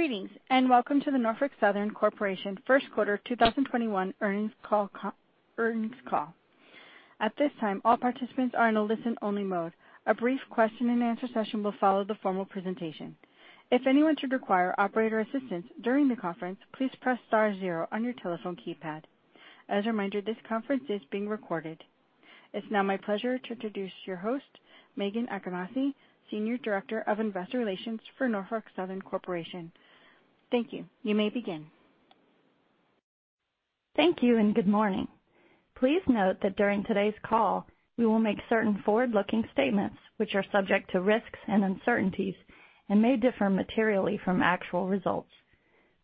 Greetings and welcome to the Norfolk Southern Corporation First Quarter 2021 Earnings Call. At this time, all participants are in a listen-only mode. A brief question and answer session will follow the formal presentation. If anyone should require operator assistance during the conference, please press star zero on your telephone keypad. As a reminder, this conference is being recorded. It's now my pleasure to introduce your host, Meghan Achimasi, Senior Director of Investor Relations for Norfolk Southern Corporation. Thank you. You may begin. Thank you, and good morning. Please note that during today's call, we will make certain forward-looking statements which are subject to risks and uncertainties and may differ materially from actual results.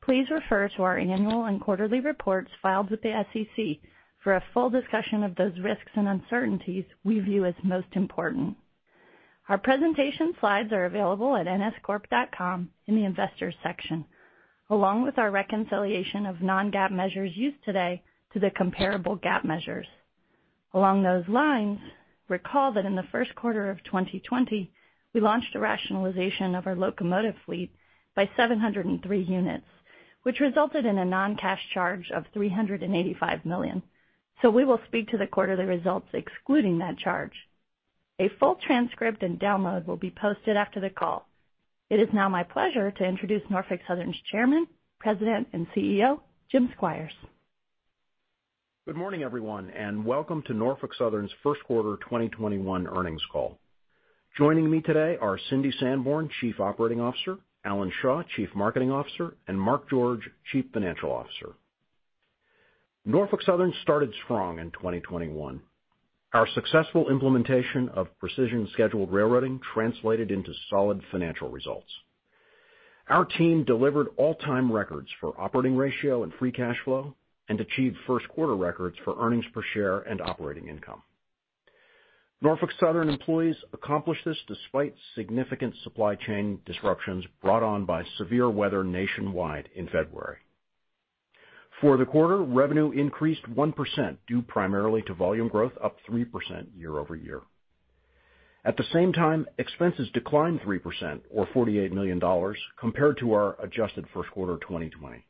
Please refer to our annual and quarterly reports filed with the SEC for a full discussion of those risks and uncertainties we view as most important. Our presentation slides are available at nscorp.com in the Investors section, along with our reconciliation of non-GAAP measures used today to the comparable GAAP measures. Along those lines, recall that in the first quarter of 2020, we launched a rationalization of our locomotive fleet by 703 units, which resulted in a non-cash charge of $385 million. We will speak to the quarterly results excluding that charge. A full transcript and download will be posted after the call. It is now my pleasure to introduce Norfolk Southern's Chairman, President, and CEO, Jim Squires. Good morning, everyone, and welcome to Norfolk Southern's first quarter 2021 earnings call. Joining me today are Cindy Sanborn, Chief Operating Officer, Alan Shaw, Chief Marketing Officer, and Mark George, Chief Financial Officer. Norfolk Southern started strong in 2021. Our successful implementation of precision scheduled railroading translated into solid financial results. Our team delivered all-time records for operating ratio and free cash flow and achieved first-quarter records for earnings per share and operating income. Norfolk Southern employees accomplished this despite significant supply chain disruptions brought on by severe weather nationwide in February. For the quarter, revenue increased 1% due primarily to volume growth, up 3% year-over-year. At the same time, expenses declined 3%, or $48 million, compared to our adjusted first quarter 2020.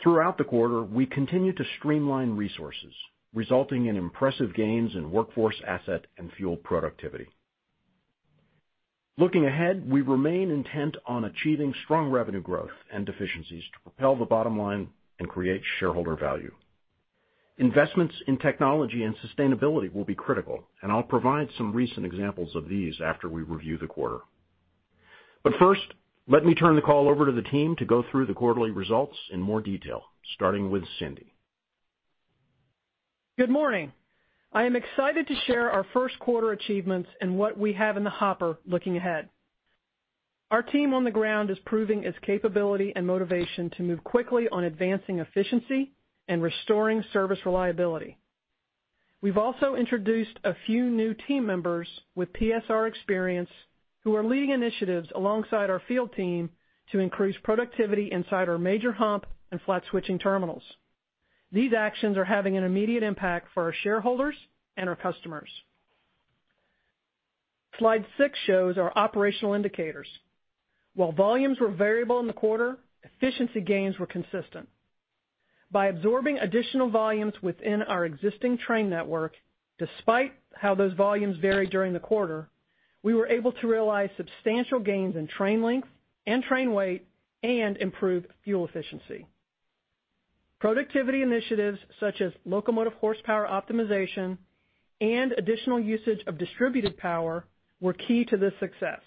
Throughout the quarter, we continued to streamline resources, resulting in impressive gains in workforce asset and fuel productivity. Looking ahead, we remain intent on achieving strong revenue growth and efficiencies to propel the bottom line and create shareholder value. Investments in technology and sustainability will be critical, and I'll provide some recent examples of these after we review the quarter. First, let me turn the call over to the team to go through the quarterly results in more detail, starting with Cindy. Good morning. I am excited to share our first quarter achievements and what we have in the hopper looking ahead. Our team on the ground is proving its capability and motivation to move quickly on advancing efficiency and restoring service reliability. We've also introduced a few new team members with PSR experience who are leading initiatives alongside our field team to increase productivity inside our major hump and flat switching terminals. These actions are having an immediate impact for our shareholders and our customers. Slide six shows our operational indicators. While volumes were variable in the quarter, efficiency gains were consistent. By absorbing additional volumes within our existing train network, despite how those volumes varied during the quarter, we were able to realize substantial gains in train length and train weight and improve fuel efficiency. Productivity initiatives such as locomotive horsepower optimization and additional usage of distributed power were key to this success.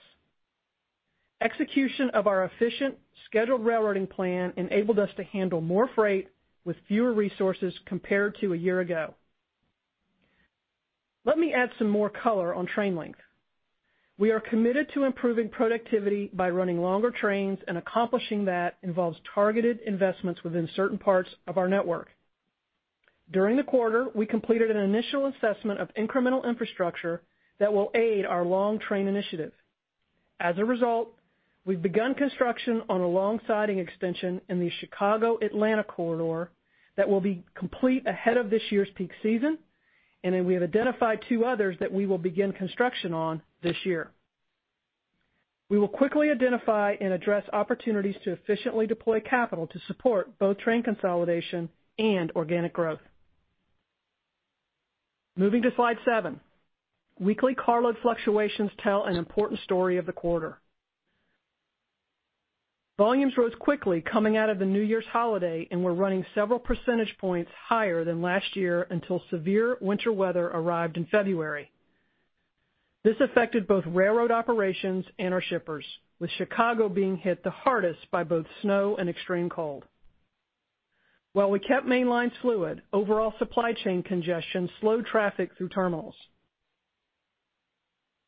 Execution of our efficient scheduled railroading plan enabled us to handle more freight with fewer resources compared to a year ago. Let me add some more color on train length. We are committed to improving productivity by running longer trains, and accomplishing that involves targeted investments within certain parts of our network. During the quarter, we completed an initial assessment of incremental infrastructure that will aid our Long-Train Initiative. As a result, we've begun construction on a long-siding extension in the Chicago-Atlanta corridor that will be complete ahead of this year's peak season, and then we have identified two others that we will begin construction on this year. We will quickly identify and address opportunities to efficiently deploy capital to support both train consolidation and organic growth. Moving to slide seven. Weekly carload fluctuations tell an important story of the quarter. Volumes rose quickly coming out of the New Year's holiday and were running several percentage points higher than last year until severe winter weather arrived in February. This affected both railroad operations and our shippers, with Chicago being hit the hardest by both snow and extreme cold. While we kept main lines fluid, overall supply chain congestion slowed traffic through terminals.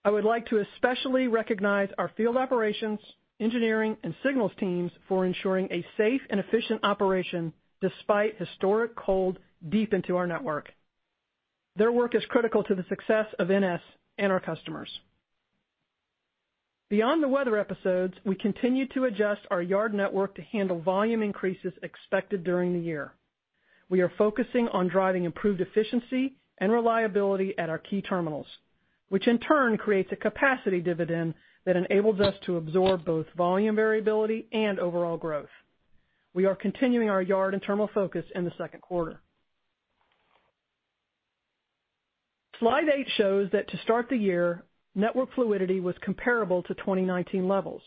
I would like to especially recognize our field operations, engineering, and signals teams for ensuring a safe and efficient operation despite historic cold deep into our network. Their work is critical to the success of NS and our customers. Beyond the weather episodes, we continue to adjust our yard network to handle volume increases expected during the year. We are focusing on driving improved efficiency and reliability at our key terminals, which in turn creates a capacity dividend that enables us to absorb both volume variability and overall growth. We are continuing our yard and terminal focus in the second quarter. Slide eight shows that to start the year, network fluidity was comparable to 2019 levels.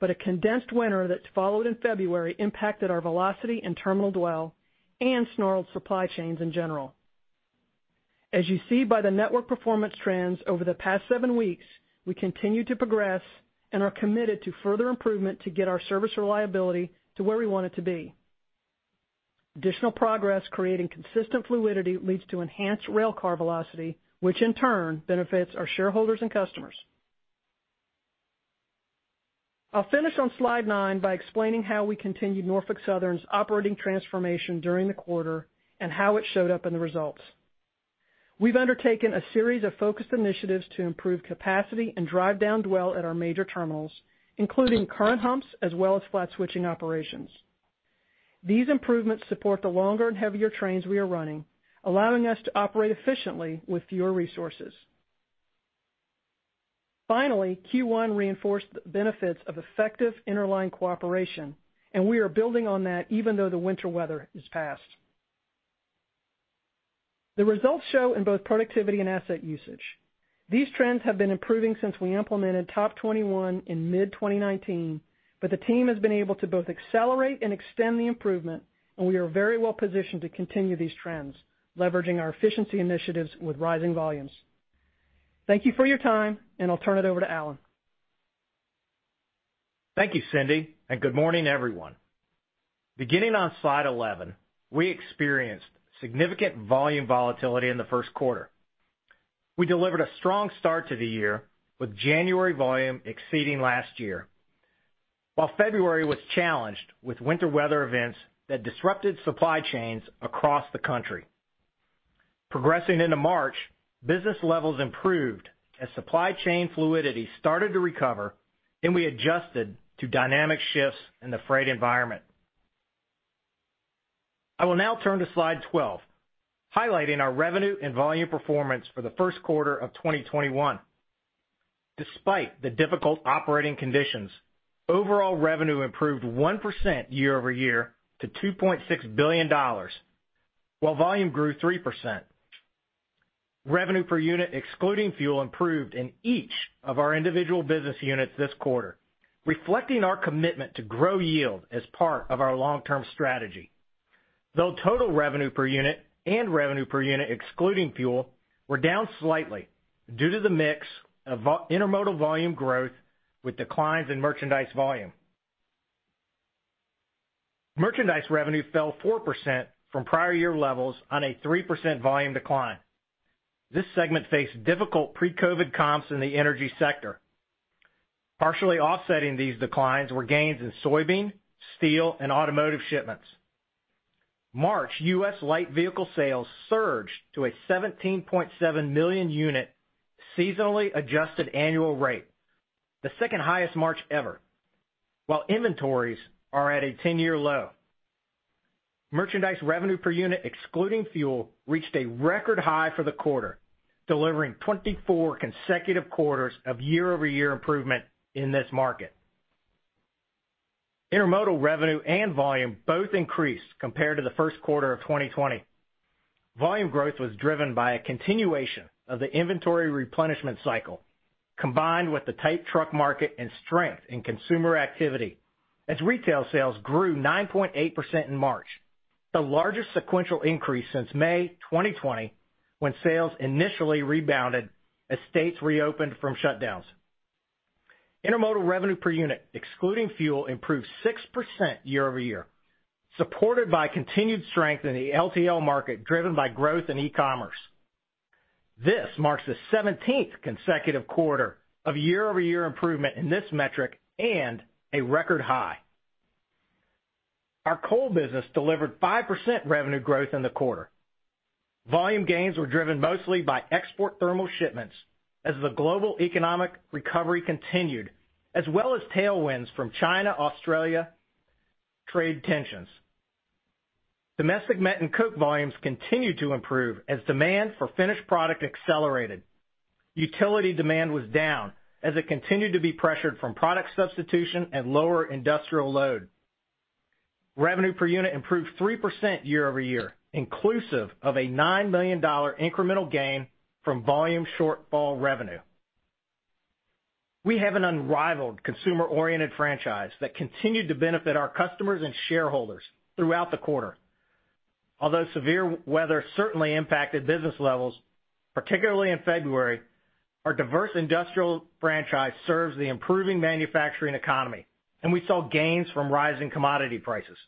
A condensed winter that followed in February impacted our velocity and terminal dwell and snarled supply chains in general. As you see by the network performance trends over the past seven weeks, we continue to progress and are committed to further improvement to get our service reliability to where we want it to be. Additional progress creating consistent fluidity leads to enhanced railcar velocity, which in turn benefits our shareholders and customers. I'll finish on slide nine by explaining how we continued Norfolk Southern's operating transformation during the quarter and how it showed up in the results. We've undertaken a series of focused initiatives to improve capacity and drive down dwell at our major terminals, including current humps as well as flat switching operations. These improvements support the longer and heavier trains we are running, allowing us to operate efficiently with fewer resources. Finally, Q1 reinforced the benefits of effective interline cooperation, and we are building on that even though the winter weather has passed. The results show in both productivity and asset usage. These trends have been improving since we implemented TOP21 in mid-2019, but the team has been able to both accelerate and extend the improvement, and we are very well positioned to continue these trends, leveraging our efficiency initiatives with rising volumes. Thank you for your time, and I'll turn it over to Alan. Thank you, Cindy, and good morning, everyone. Beginning on slide 11, we experienced significant volume volatility in the first quarter. We delivered a strong start to the year with January volume exceeding last year. February was challenged with winter weather events that disrupted supply chains across the country. Progressing into March, business levels improved as supply chain fluidity started to recover, and we adjusted to dynamic shifts in the freight environment. I will now turn to slide 12, highlighting our revenue and volume performance for the first quarter of 2021. Despite the difficult operating conditions, overall revenue improved 1% year-over-year to $2.6 billion, while volume grew 3%. Revenue per unit excluding fuel improved in each of our individual business units this quarter, reflecting our commitment to grow yield as part of our long-term strategy. Though total revenue per unit and revenue per unit excluding fuel were down slightly due to the mix of intermodal volume growth with declines in merchandise volume. Merchandise revenue fell 4% from prior year levels on a 3% volume decline. This segment faced difficult pre-COVID comps in the energy sector. Partially offsetting these declines were gains in soybean, steel, and automotive shipments. March U.S. light vehicle sales surged to a 17.7 million unit seasonally adjusted annual rate, the second highest March ever, while inventories are at a 10-year low. Merchandise revenue per unit excluding fuel reached a record high for the quarter, delivering 24 consecutive quarters of year-over-year improvement in this market. Intermodal revenue and volume both increased compared to the first quarter of 2020. Volume growth was driven by a continuation of the inventory replenishment cycle, combined with the tight truck market and strength in consumer activity as retail sales grew 9.8% in March, the largest sequential increase since May 2020 when sales initially rebounded as states reopened from shutdowns. Intermodal revenue per unit excluding fuel improved 6% year-over-year, supported by continued strength in the LTL market driven by growth in e-commerce. This marks the 17th consecutive quarter of year-over-year improvement in this metric and a record high. Our coal business delivered 5% revenue growth in the quarter. Volume gains were driven mostly by export thermal shipments as the global economic recovery continued, as well as tailwinds from China-Australia trade tensions. Domestic met and coke volumes continued to improve as demand for finished product accelerated. Utility demand was down as it continued to be pressured from product substitution and lower industrial load. Revenue per unit improved 3% year-over-year, inclusive of a $9 million incremental gain from volume shortfall revenue. We have an unrivaled consumer-oriented franchise that continued to benefit our customers and shareholders throughout the quarter. Although severe weather certainly impacted business levels, particularly in February, our diverse industrial franchise serves the improving manufacturing economy, and we saw gains from rising commodity prices.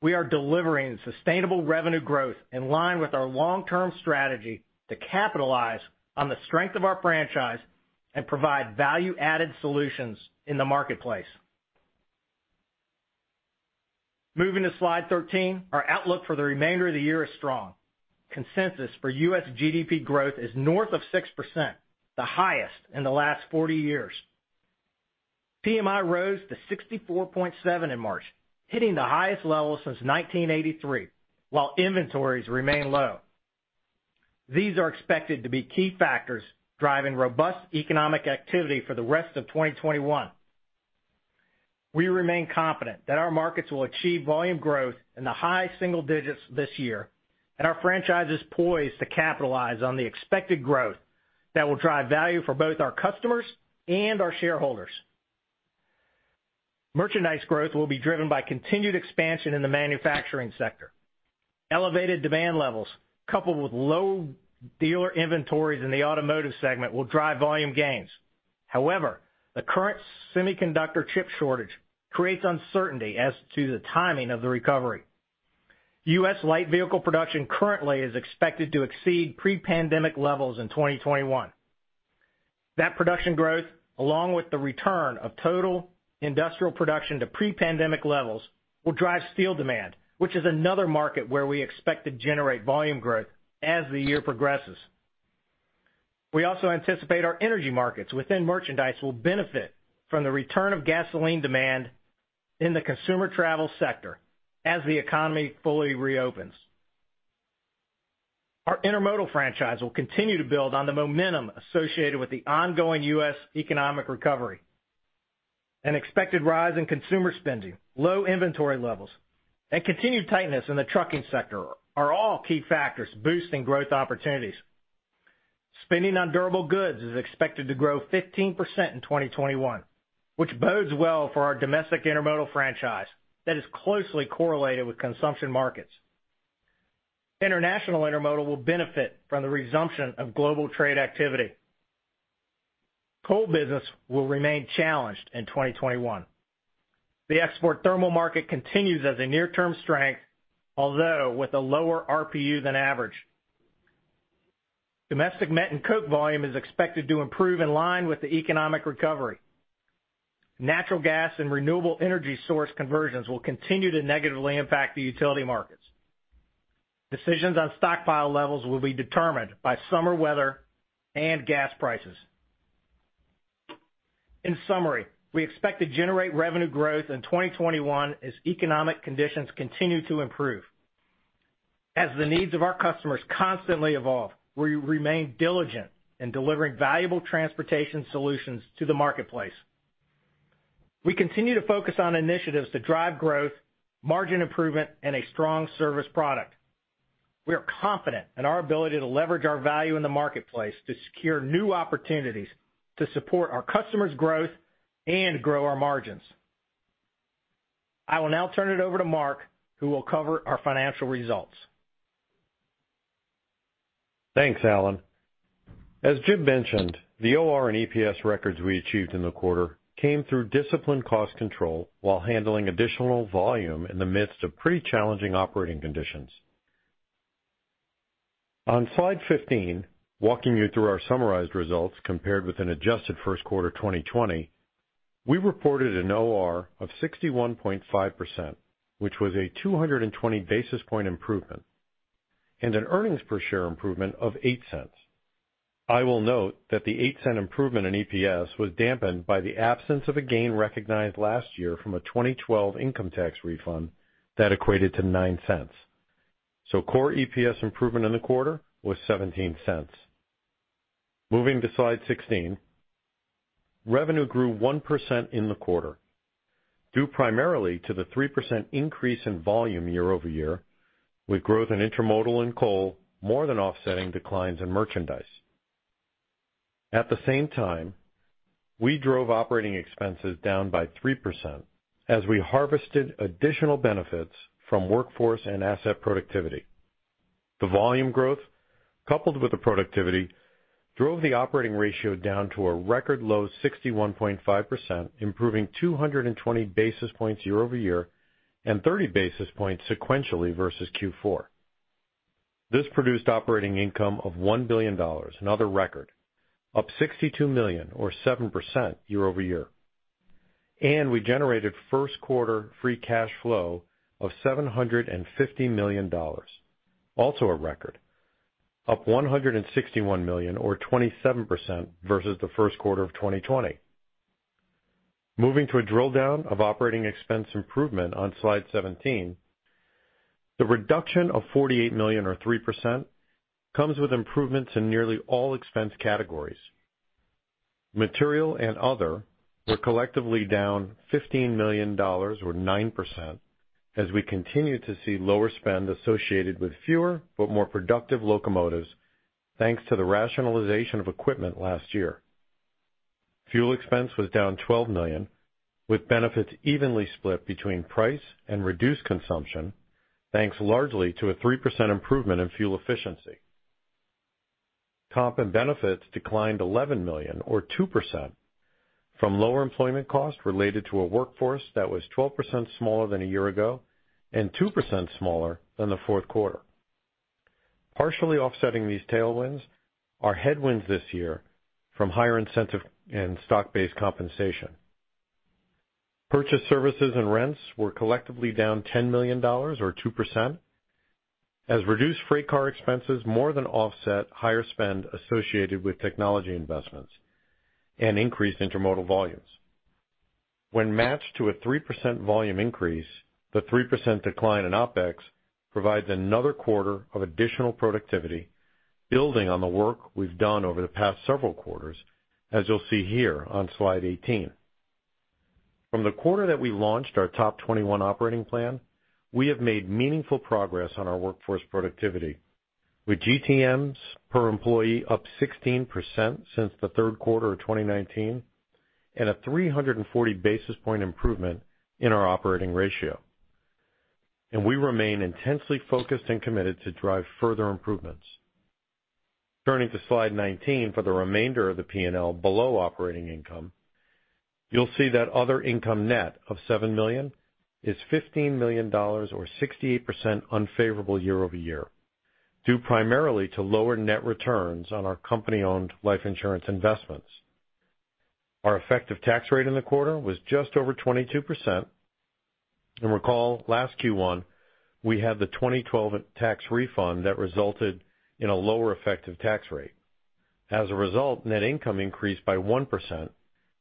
We are delivering sustainable revenue growth in line with our long-term strategy to capitalize on the strength of our franchise and provide value-added solutions in the marketplace. Moving to slide 13, our outlook for the remainder of the year is strong. Consensus for U.S. GDP growth is north of 6%, the highest in the last 40 years. PMI rose to 64.7 in March, hitting the highest level since 1983, while inventories remain low. These are expected to be key factors driving robust economic activity for the rest of 2021. We remain confident that our markets will achieve volume growth in the high single digits this year, and our franchise is poised to capitalize on the expected growth that will drive value for both our customers and our shareholders. Merchandise growth will be driven by continued expansion in the manufacturing sector. Elevated demand levels, coupled with low dealer inventories in the automotive segment, will drive volume gains. However, the current semiconductor chip shortage creates uncertainty as to the timing of the recovery. U.S. light vehicle production currently is expected to exceed pre-pandemic levels in 2021. That production growth, along with the return of total industrial production to pre-pandemic levels, will drive steel demand, which is another market where we expect to generate volume growth as the year progresses. We also anticipate our energy markets within merchandise will benefit from the return of gasoline demand in the consumer travel sector as the economy fully reopens. Our intermodal franchise will continue to build on the momentum associated with the ongoing U.S. economic recovery. An expected rise in consumer spending, low inventory levels, and continued tightness in the trucking sector are all key factors boosting growth opportunities. Spending on durable goods is expected to grow 15% in 2021, which bodes well for our domestic intermodal franchise that is closely correlated with consumption markets. International intermodal will benefit from the resumption of global trade activity. Coal business will remain challenged in 2021. The export thermal market continues as a near-term strength, although with a lower RPU than average. Domestic met and coke volume is expected to improve in line with the economic recovery. Natural gas and renewable energy source conversions will continue to negatively impact the utility markets. Decisions on stockpile levels will be determined by summer weather and gas prices. In summary, we expect to generate revenue growth in 2021 as economic conditions continue to improve. As the needs of our customers constantly evolve, we remain diligent in delivering valuable transportation solutions to the marketplace. We continue to focus on initiatives to drive growth, margin improvement, and a strong service product. We are confident in our ability to leverage our value in the marketplace to secure new opportunities to support our customers' growth and grow our margins. I will now turn it over to Mark, who will cover our financial results. Thanks, Alan. As Jim mentioned, the OR and EPS records we achieved in the quarter came through disciplined cost control while handling additional volume in the midst of pretty challenging operating conditions. On slide 15, walking you through our summarized results compared with an adjusted first quarter 2020, we reported an OR of 61.5%, which was a 220 basis point improvement, and an earnings per share improvement of $0.08. I will note that the $0.08 improvement in EPS was dampened by the absence of a gain recognized last year from a 2012 income tax refund that equated to $0.09. Core EPS improvement in the quarter was $0.17. Moving to slide 16, revenue grew 1% in the quarter, due primarily to the 3% increase in volume year-over-year, with growth in intermodal and coal more than offsetting declines in merchandise. At the same time, we drove operating expenses down by 3% as we harvested additional benefits from workforce and asset productivity. The volume growth, coupled with the productivity, drove the operating ratio down to a record low 61.5%, improving 220 basis points year-over-year and 30 basis points sequentially versus Q4. This produced operating income of $1 billion, another record, up $62 million or 7% year-over-year. We generated first quarter free cash flow of $750 million. Also a record, up $161 million or 27% versus the first quarter of 2020. Moving to a drill-down of operating expense improvement on slide 17, the reduction of $48 million or 3% comes with improvements in nearly all expense categories. Material and other were collectively down $15 million or 9% as we continue to see lower spend associated with fewer but more productive locomotives, thanks to the rationalization of equipment last year. Fuel expense was down $12 million, with benefits evenly split between price and reduced consumption, thanks largely to a 3% improvement in fuel efficiency. Comp and benefits declined $11 million or 2% from lower employment costs related to a workforce that was 12% smaller than a year ago and 2% smaller than the fourth quarter. Partially offsetting these tailwinds are headwinds this year from higher incentive and stock-based compensation. Purchased services and rents were collectively down $10 million or 2% as reduced freight car expenses more than offset higher spend associated with technology investments and increased intermodal volumes. When matched to a 3% volume increase, the 3% decline in OpEx provides another quarter of additional productivity, building on the work we've done over the past several quarters, as you'll see here on slide 18. From the quarter that we launched our TOP21 operating plan, we have made meaningful progress on our workforce productivity, with GTMs per employee up 16% since the third quarter of 2019, and a 340 basis point improvement in our operating ratio. We remain intensely focused and committed to drive further improvements. Turning to Slide 19 for the remainder of the P&L below operating income, you'll see that other income net of $7 million is $15 million, or 68% unfavorable year-over-year, due primarily to lower net returns on our company-owned life insurance investments. Our effective tax rate in the quarter was just over 22%. Recall last Q1, we had the 2012 tax refund that resulted in a lower effective tax rate. As a result, net income increased by 1%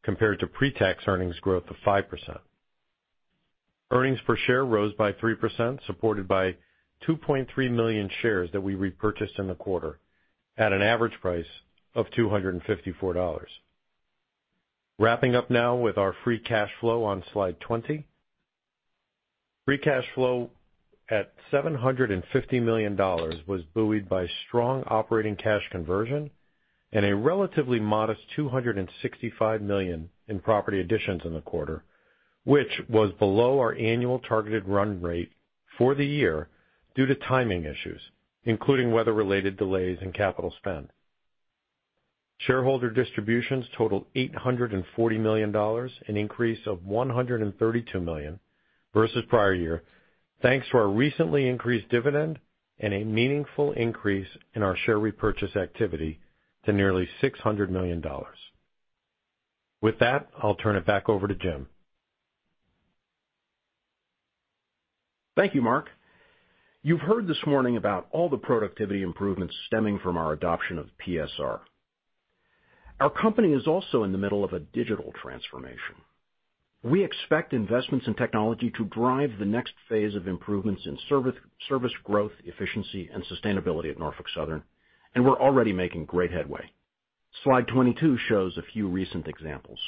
compared to pre-tax earnings growth of 5%. Earnings per share rose by 3%, supported by 2.3 million shares that we repurchased in the quarter at an average price of $254. Wrapping up now with our free cash flow on slide 20. Free cash flow at $750 million was buoyed by strong operating cash conversion and a relatively modest $265 million in property additions in the quarter, which was below our annual targeted run rate for the year due to timing issues, including weather-related delays in capital spend. Shareholder distributions totaled $840 million, an increase of $132 million versus prior year, thanks to our recently increased dividend and a meaningful increase in our share repurchase activity to nearly $600 million. With that, I'll turn it back over to Jim. Thank you, Mark. You've heard this morning about all the productivity improvements stemming from our adoption of PSR. Our company is also in the middle of a digital transformation. We expect investments in technology to drive the next phase of improvements in service growth, efficiency, and sustainability at Norfolk Southern, and we're already making great headway. Slide 22 shows a few recent examples.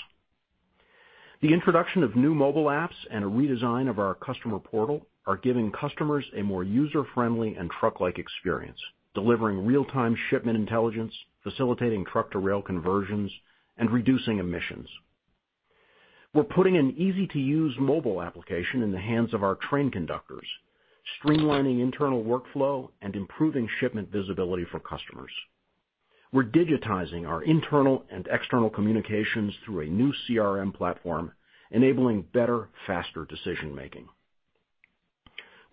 The introduction of new mobile apps and a redesign of our customer portal are giving customers a more user-friendly and truck-like experience, delivering real-time shipment intelligence, facilitating truck-to-rail conversions, and reducing emissions. We're putting an easy-to-use mobile application in the hands of our train conductors, streamlining internal workflow and improving shipment visibility for customers. We're digitizing our internal and external communications through a new CRM platform, enabling better, faster decision-making.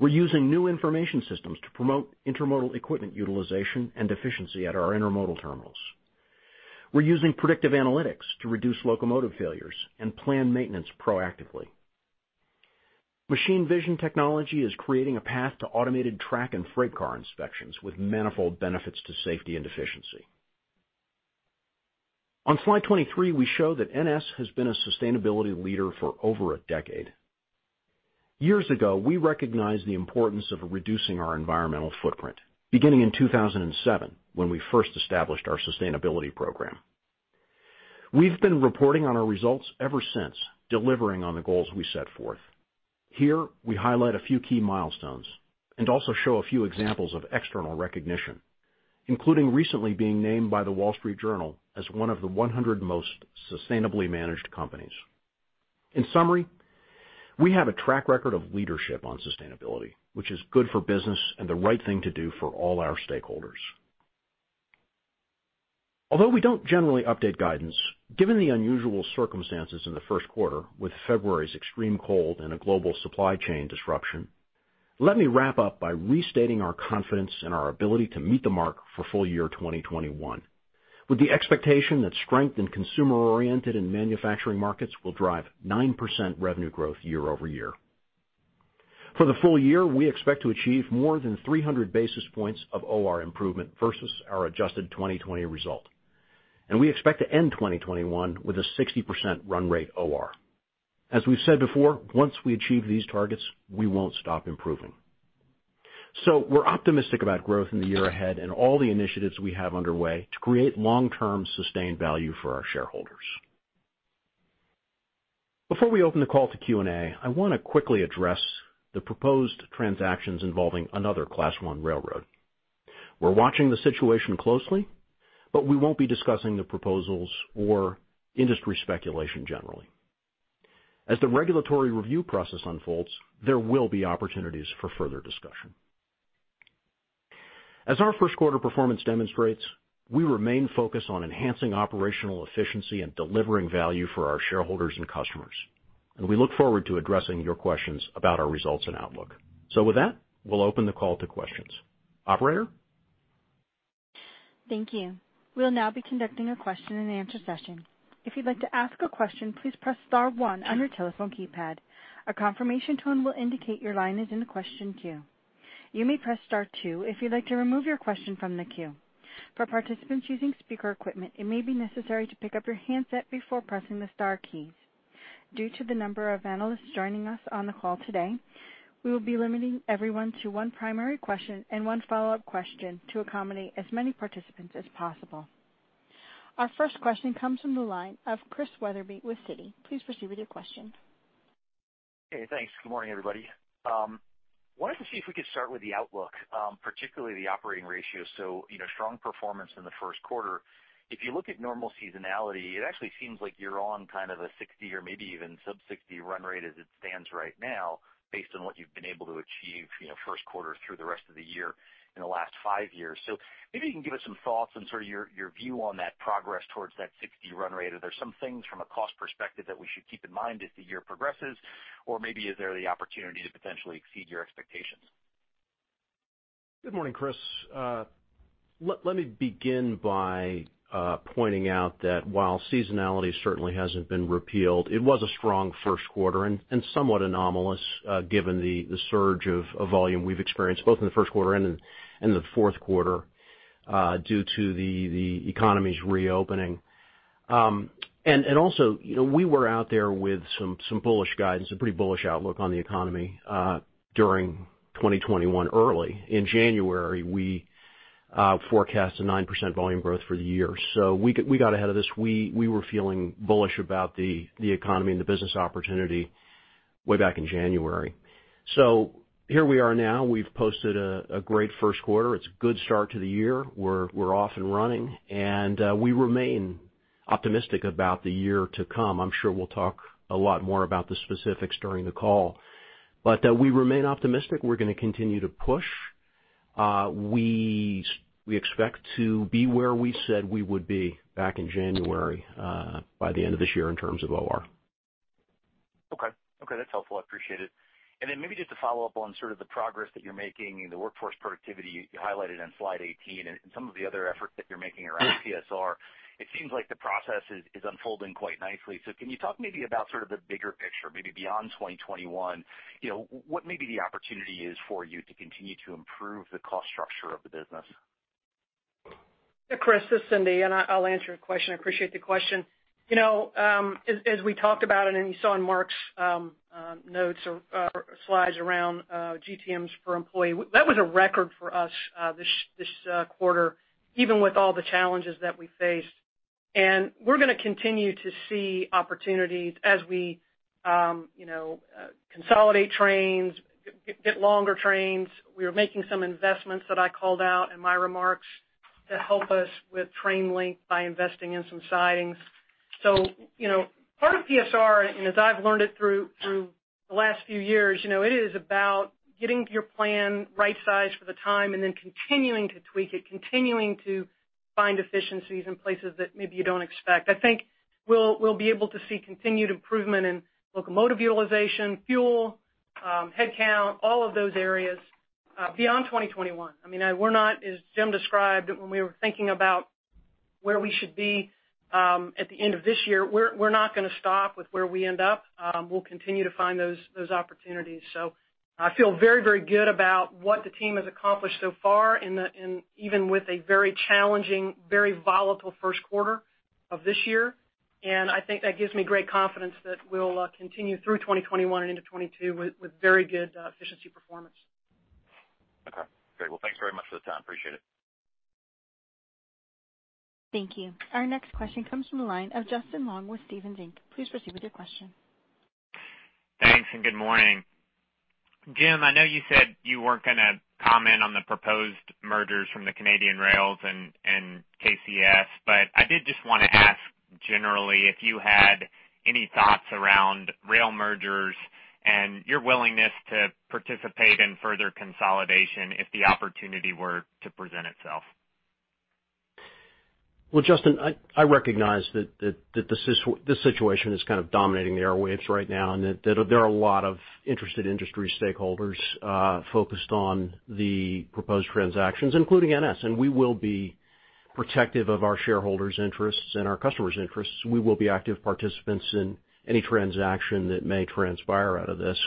We're using new information systems to promote intermodal equipment utilization and efficiency at our intermodal terminals. We're using predictive analytics to reduce locomotive failures and plan maintenance proactively. Machine vision technology is creating a path to automated track and freight car inspections with manifold benefits to safety and efficiency. On slide 23, we show that NS has been a sustainability leader for over a decade. Years ago, we recognized the importance of reducing our environmental footprint, beginning in 2007 when we first established our sustainability program. We've been reporting on our results ever since, delivering on the goals we set forth. Here, we highlight a few key milestones and also show a few examples of external recognition, including recently being named by The Wall Street Journal as one of the 100 most sustainably managed companies. In summary, we have a track record of leadership on sustainability, which is good for business and the right thing to do for all our stakeholders. Although we don't generally update guidance, given the unusual circumstances in the first quarter with February's extreme cold and a global supply chain disruption, let me wrap up by restating our confidence in our ability to meet the mark for full year 2021, with the expectation that strength in consumer-oriented and manufacturing markets will drive 9% revenue growth year-over-year. For the full year, we expect to achieve more than 300 basis points of OR improvement versus our adjusted 2020 result. We expect to end 2021 with a 60% run rate OR. As we've said before, once we achieve these targets, we won't stop improving. We're optimistic about growth in the year ahead and all the initiatives we have underway to create long-term sustained value for our shareholders. Before we open the call to Q&A, I want to quickly address the proposed transactions involving another Class I railroad. We're watching the situation closely, we won't be discussing the proposals or industry speculation generally. As the regulatory review process unfolds, there will be opportunities for further discussion. As our first quarter performance demonstrates, we remain focused on enhancing operational efficiency and delivering value for our shareholders and customers, we look forward to addressing your questions about our results and outlook. With that, we'll open the call to questions. Operator? Thank you. Will now be conducting a question-and-answer session. If you'd like to ask a question, please press star one on your telephone keypad. A confirmation tone will indicate your line is in the question queue. You may press star two if you'd like to remove your question from the queue. For participants using speaker equipment, it may be necessary to pick up your handset before pressing the star key. Due to the number of analysts joining us on the call today, we will be limiting everyone to one primary question and one follow-up question to accommodate as many participants as possible. Our first question comes from the line of Chris Wetherbee with Citi. Please proceed with your question. Thanks. Good morning, everybody. Wanted to see if we could start with the outlook, particularly the operating ratio. Strong performance in the first quarter. If you look at normal seasonality, it actually seems like you're on kind of a 60 or maybe even sub 60 run rate as it stands right now, based on what you've been able to achieve first quarter through the rest of the year in the last five years. Maybe you can give us some thoughts and sort of your view on that progress towards that 60 run rate. Are there some things from a cost perspective that we should keep in mind as the year progresses, or maybe is there the opportunity to potentially exceed your expectations? Good morning, Chris. Let me begin by pointing out that while seasonality certainly hasn't been repealed, it was a strong first quarter and somewhat anomalous given the surge of volume we've experienced both in the first quarter and in the fourth quarter, due to the economy's reopening. Also, we were out there with some bullish guidance, a pretty bullish outlook on the economy during 2021 early. In January, we forecast a 9% volume growth for the year. We got ahead of this. We were feeling bullish about the economy and the business opportunity way back in January. Here we are now. We've posted a great first quarter. It's a good start to the year. We're off and running, and we remain optimistic about the year to come. I'm sure we'll talk a lot more about the specifics during the call. We remain optimistic. We're going to continue to push. We expect to be where we said we would be back in January by the end of this year in terms of OR. Okay. That's helpful. I appreciate it. Then maybe just to follow up on sort of the progress that you're making in the workforce productivity you highlighted on slide 18 and some of the other efforts that you're making around PSR. It seems like the process is unfolding quite nicely. Can you talk maybe about sort of the bigger picture, maybe beyond 2021? What maybe the opportunity is for you to continue to improve the cost structure of the business? Chris, this is Cindy, and I'll answer your question. Appreciate the question. As we talked about it and you saw in Mark's notes or slides around GTMs per employee, that was a record for us this quarter, even with all the challenges that we faced. We're going to continue to see opportunities as we consolidate trains, get longer trains. We are making some investments that I called out in my remarks to help us with train length by investing in some sidings. Part of PSR, as I've learned it through the last few years, it is about getting your plan right-sized for the time, continuing to tweak it, continuing to find efficiencies in places that maybe you don't expect. I think we'll be able to see continued improvement in locomotive utilization, fuel, headcount, all of those areas beyond 2021. As Jim described, when we were thinking about where we should be at the end of this year, we're not going to stop with where we end up. We'll continue to find those opportunities. I feel very good about what the team has accomplished so far, even with a very challenging, very volatile first quarter of this year. I think that gives me great confidence that we'll continue through 2021 and into 2022 with very good efficiency performance. Okay. Great. Well, thanks very much for the time. Appreciate it. Thank you. Our next question comes from the line of Justin Long with Stephens Inc. Please proceed with your question. Thanks. Good morning. Jim, I know you said you weren't going to comment on the proposed mergers from the Canadian rails and KCS. I did just want to ask generally if you had any thoughts around rail mergers and your willingness to participate in further consolidation if the opportunity were to present itself. Well, Justin, I recognize that this situation is kind of dominating the airwaves right now, and that there are a lot of interested industry stakeholders focused on the proposed transactions, including NS, and we will be protective of our shareholders' interests and our customers' interests. We will be active participants in any transaction that may transpire out of this.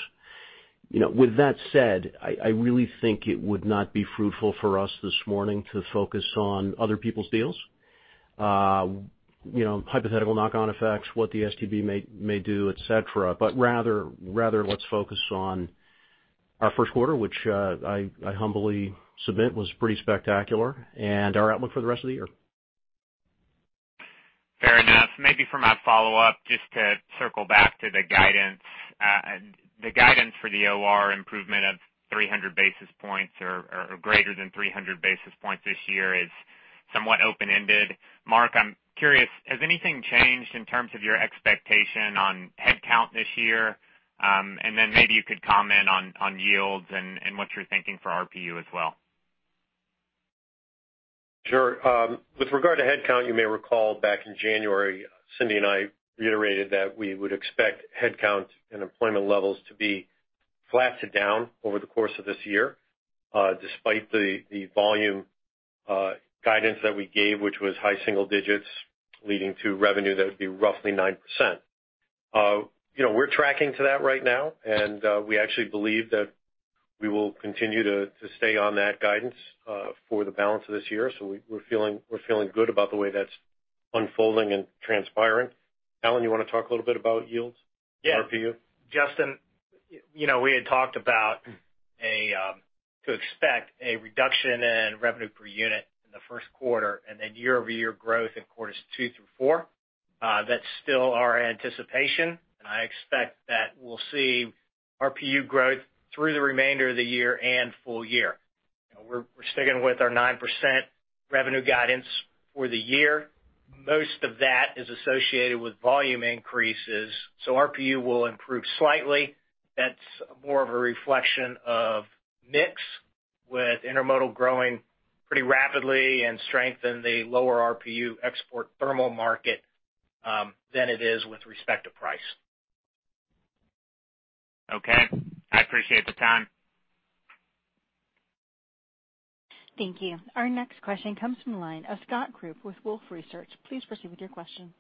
With that said, I really think it would not be fruitful for us this morning to focus on other people's deals, hypothetical knock-on effects, what the STB may do, et cetera. Rather, let's focus on our first quarter, which I humbly submit was pretty spectacular, and our outlook for the rest of the year. Fair enough. Maybe for my follow-up, just to circle back to the guidance. The guidance for the OR improvement of 300 basis points or greater than 300 basis points this year is somewhat open-ended. Mark, I'm curious, has anything changed in terms of your expectation on headcount this year? Then maybe you could comment on yields and what you're thinking for RPU as well. Sure. With regard to headcount, you may recall back in January, Cindy and I reiterated that we would expect headcount and employment levels to be flat to down over the course of this year, despite the volume guidance that we gave, which was high single digits leading to revenue, that would be roughly 9%. We're tracking to that right now, and we actually believe that we will continue to stay on that guidance for the balance of this year. We're feeling good about the way that's unfolding and transpiring. Alan, you want to talk a little bit about yields? Yeah. RPU. Justin, we had talked about to expect a reduction in revenue per unit in the first quarter and then year-over-year growth in quarters two through four. That's still our anticipation, and I expect that we'll see RPU growth through the remainder of the year and full year. We're sticking with our 9% revenue guidance for the year. Most of that is associated with volume increases, so RPU will improve slightly. That's more of a reflection of mix with intermodal growing pretty rapidly and strength in the lower RPU export thermal market than it is with respect to price. Okay. I appreciate the time. Thank you. Our next question comes from the line of Scott Group with Wolfe Research. Please proceed with your question.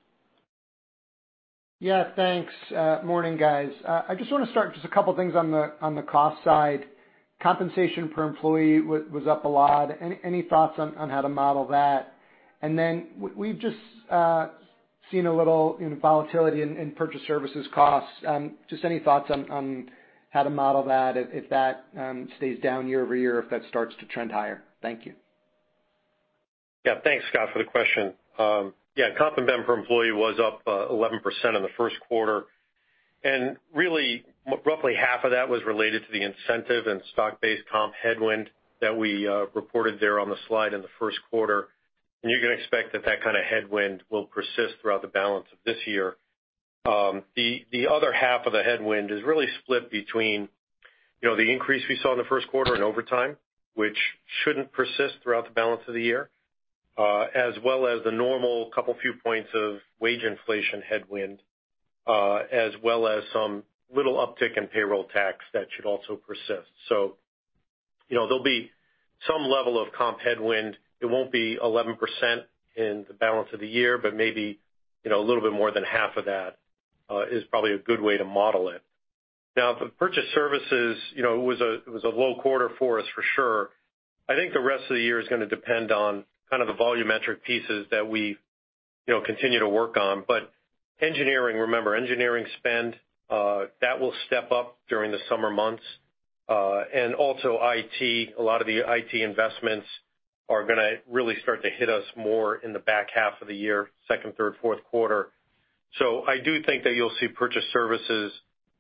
Yeah, thanks. Morning, guys. I just want to start, just a couple things on the cost side. Compensation per employee was up a lot. Any thoughts on how to model that? We've just seen a little volatility in purchase services costs. Just any thoughts on how to model that if that stays down year-over-year, if that starts to trend higher? Thank you. Thanks, Scott, for the question. Comp and benefit per employee was up 11% in the first quarter, and really, roughly half of that was related to the incentive and stock-based comp headwind that we reported there on the slide in the first quarter. You can expect that that kind of headwind will persist throughout the balance of this year. The other half of the headwind is really split between the increase we saw in the first quarter in overtime, which shouldn't persist throughout the balance of the year, as well as the normal couple few points of wage inflation headwind, as well as some little uptick in payroll tax that should also persist. There'll be some level of comp headwind. It won't be 11% in the balance of the year, but maybe a little bit more than half of that is probably a good way to model it. For purchase services, it was a low quarter for us, for sure. I think the rest of the year is going to depend on kind of the volumetric pieces that we continue to work on. Engineering, remember, engineering spend, that will step up during the summer months. Also IT, a lot of the IT investments are going to really start to hit us more in the back half of the year, second, third, fourth quarter. I do think that you'll see purchase services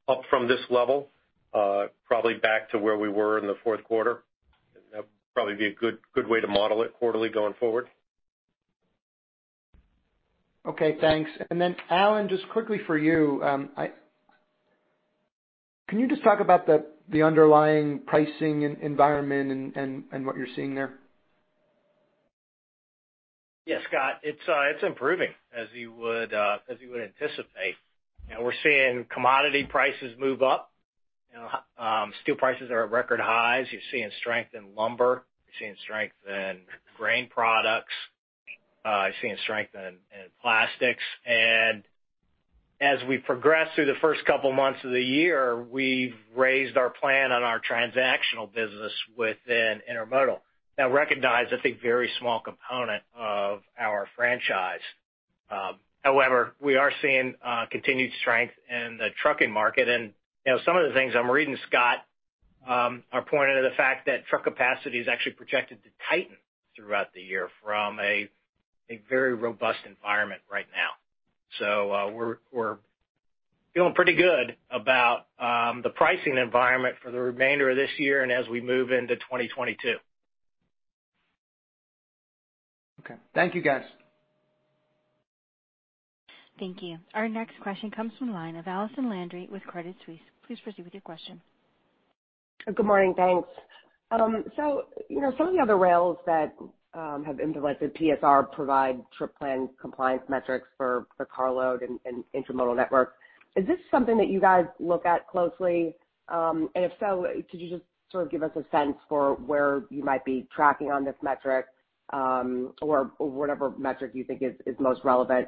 up from this level, probably back to where we were in the fourth quarter. That'd probably be a good way to model it quarterly going forward. Okay, thanks. Alan, just quickly for you, can you just talk about the underlying pricing environment and what you're seeing there? Yeah, Scott, it's improving, as you would anticipate. We're seeing commodity prices move up. Steel prices are at record highs. You're seeing strength in lumber. You're seeing strength in grain products. Seeing strength in plastics. As we progress through the first couple months of the year, we've raised our plan on our transactional business within intermodal. Now recognize, I think, very small component of our franchise. However, we are seeing continued strength in the trucking market. Some of the things I'm reading, Scott, are pointing to the fact that truck capacity is actually projected to tighten throughout the year from a very robust environment right now. We're feeling pretty good about the pricing environment for the remainder of this year and as we move into 2022. Okay. Thank you, guys. Thank you. Our next question comes from the line of Allison Landry with Credit Suisse. Please proceed with your question. Good morning. Thanks. Some of the other rails that have implemented PSR provide trip plan compliance metrics for carload and intermodal network. Is this something that you guys look at closely? If so, could you just sort of give us a sense for where you might be tracking on this metric, or whatever metric you think is most relevant?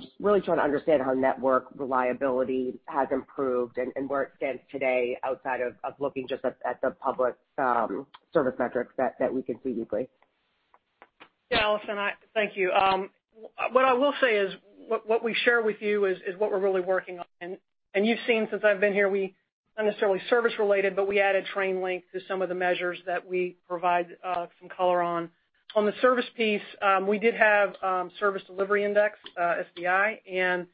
Just really trying to understand how network reliability has improved and where it stands today outside of looking just at the public service metrics that we can see weekly. Allison, thank you. What I will say is what we share with you is what we're really working on. You've seen since I've been here, not necessarily service related, but we added train length to some of the measures that we provide some color on. On the service piece, we did have service delivery index, SDI, and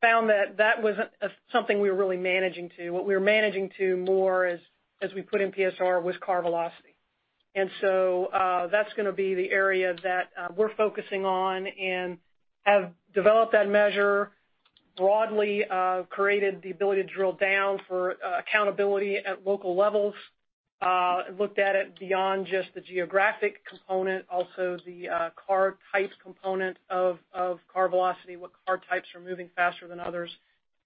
found that that wasn't something we were really managing to. What we were managing to more as we put in PSR, was car velocity. That's going to be the area that we're focusing on and have developed that measure broadly, created the ability to drill down for accountability at local levels. Looked at it beyond just the geographic component, also the car types component of car velocity, what car types are moving faster than others.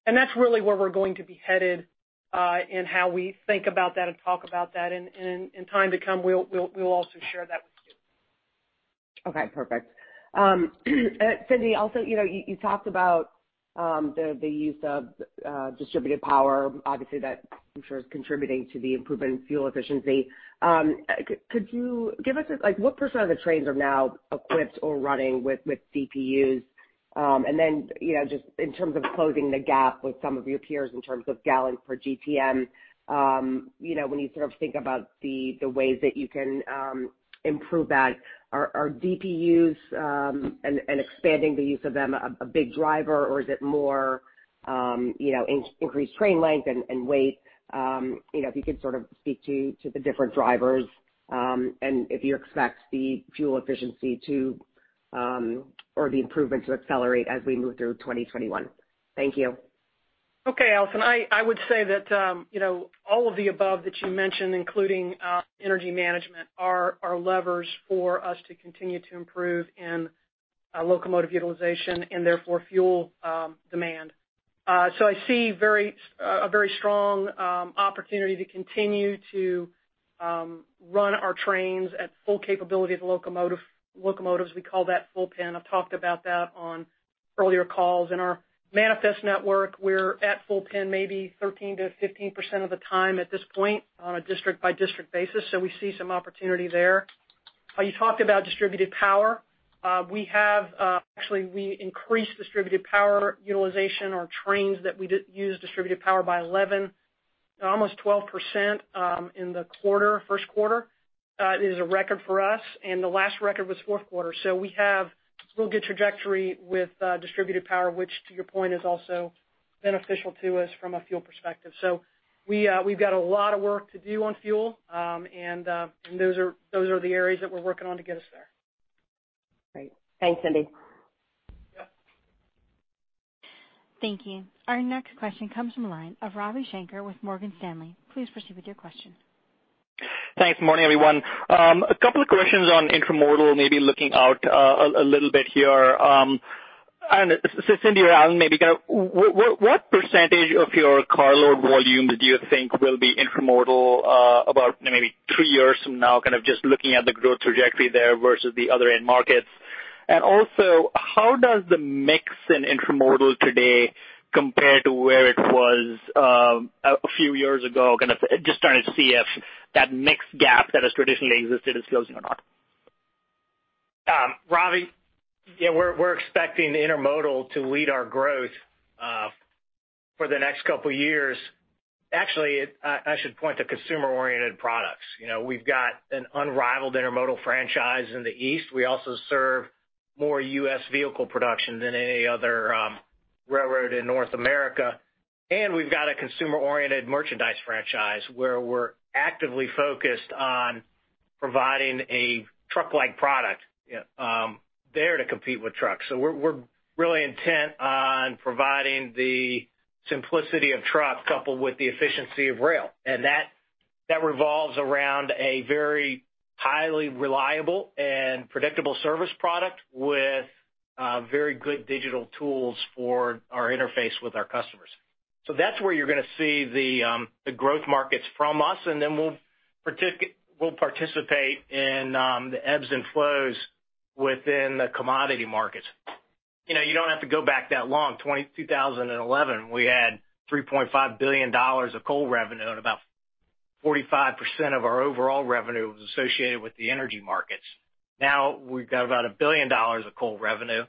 That's really where we're going to be headed in how we think about that and talk about that. In time to come, we'll also share that with you. Okay, perfect. Cindy, also, you talked about the use of distributed power. Obviously, that, I'm sure, is contributing to the improvement in fuel efficiency. Could you give us, what percent of the trains are now equipped or running with DPUs? Then, just in terms of closing the gap with some of your peers in terms of gallons per GTM, when you think about the ways that you can improve that, are DPUs, and expanding the use of them, a big driver, or is it more increased train length and weight? If you could sort of speak to the different drivers, and if you expect the fuel efficiency or the improvement to accelerate as we move through 2021. Thank you. Okay, Allison. I would say that all of the above that you mentioned, including energy management, are levers for us to continue to improve in locomotive utilization and therefore fuel demand. I see a very strong opportunity to continue to run our trains at full capability of locomotives. We call that full pen. I've talked about that on earlier calls. In our manifest network, we're at full pen maybe 13%-15% of the time at this point on a district-by-district basis, we see some opportunity there. You talked about distributed power. Actually, we increased distributed power utilization or trains that we use distributed power by 11%, almost 12% in the first quarter. It is a record for us, the last record was fourth quarter. We have a real good trajectory with distributed power, which, to your point, is also beneficial to us from a fuel perspective. We've got a lot of work to do on fuel, and those are the areas that we're working on to get us there. Great. Thanks, Cindy. Yep. Thank you. Our next question comes from the line of Ravi Shanker with Morgan Stanley. Please proceed with your question. Thanks. Morning, everyone. A couple of questions on intermodal, maybe looking out a little bit here. Cindy or Alan, maybe, what % of your carload volume do you think will be intermodal about maybe three years from now, just looking at the growth trajectory there versus the other end markets? Also, how does the mix in intermodal today compare to where it was a few years ago? Just trying to see if that mix gap that has traditionally existed is closing or not. Ravi, yeah, we're expecting intermodal to lead our growth for the next couple of years. Actually, I should point to consumer-oriented products. We've got an unrivaled intermodal franchise in the East. We also serve more U.S. vehicle production than any other railroad in North America. We've got a consumer-oriented merchandise franchise where we're actively focused on providing a truck-like product there to compete with trucks. We're really intent on providing the simplicity of truck coupled with the efficiency of rail. That revolves around a very highly reliable and predictable service product with very good digital tools for our interface with our customers. That's where you're going to see the growth markets from us. We'll participate in the ebbs and flows within the commodity markets. You don't have to go back that long. 2011, we had $3.5 billion of coal revenue and about 45% of our overall revenue was associated with the energy markets. Now we've got about $1 billion of coal revenue,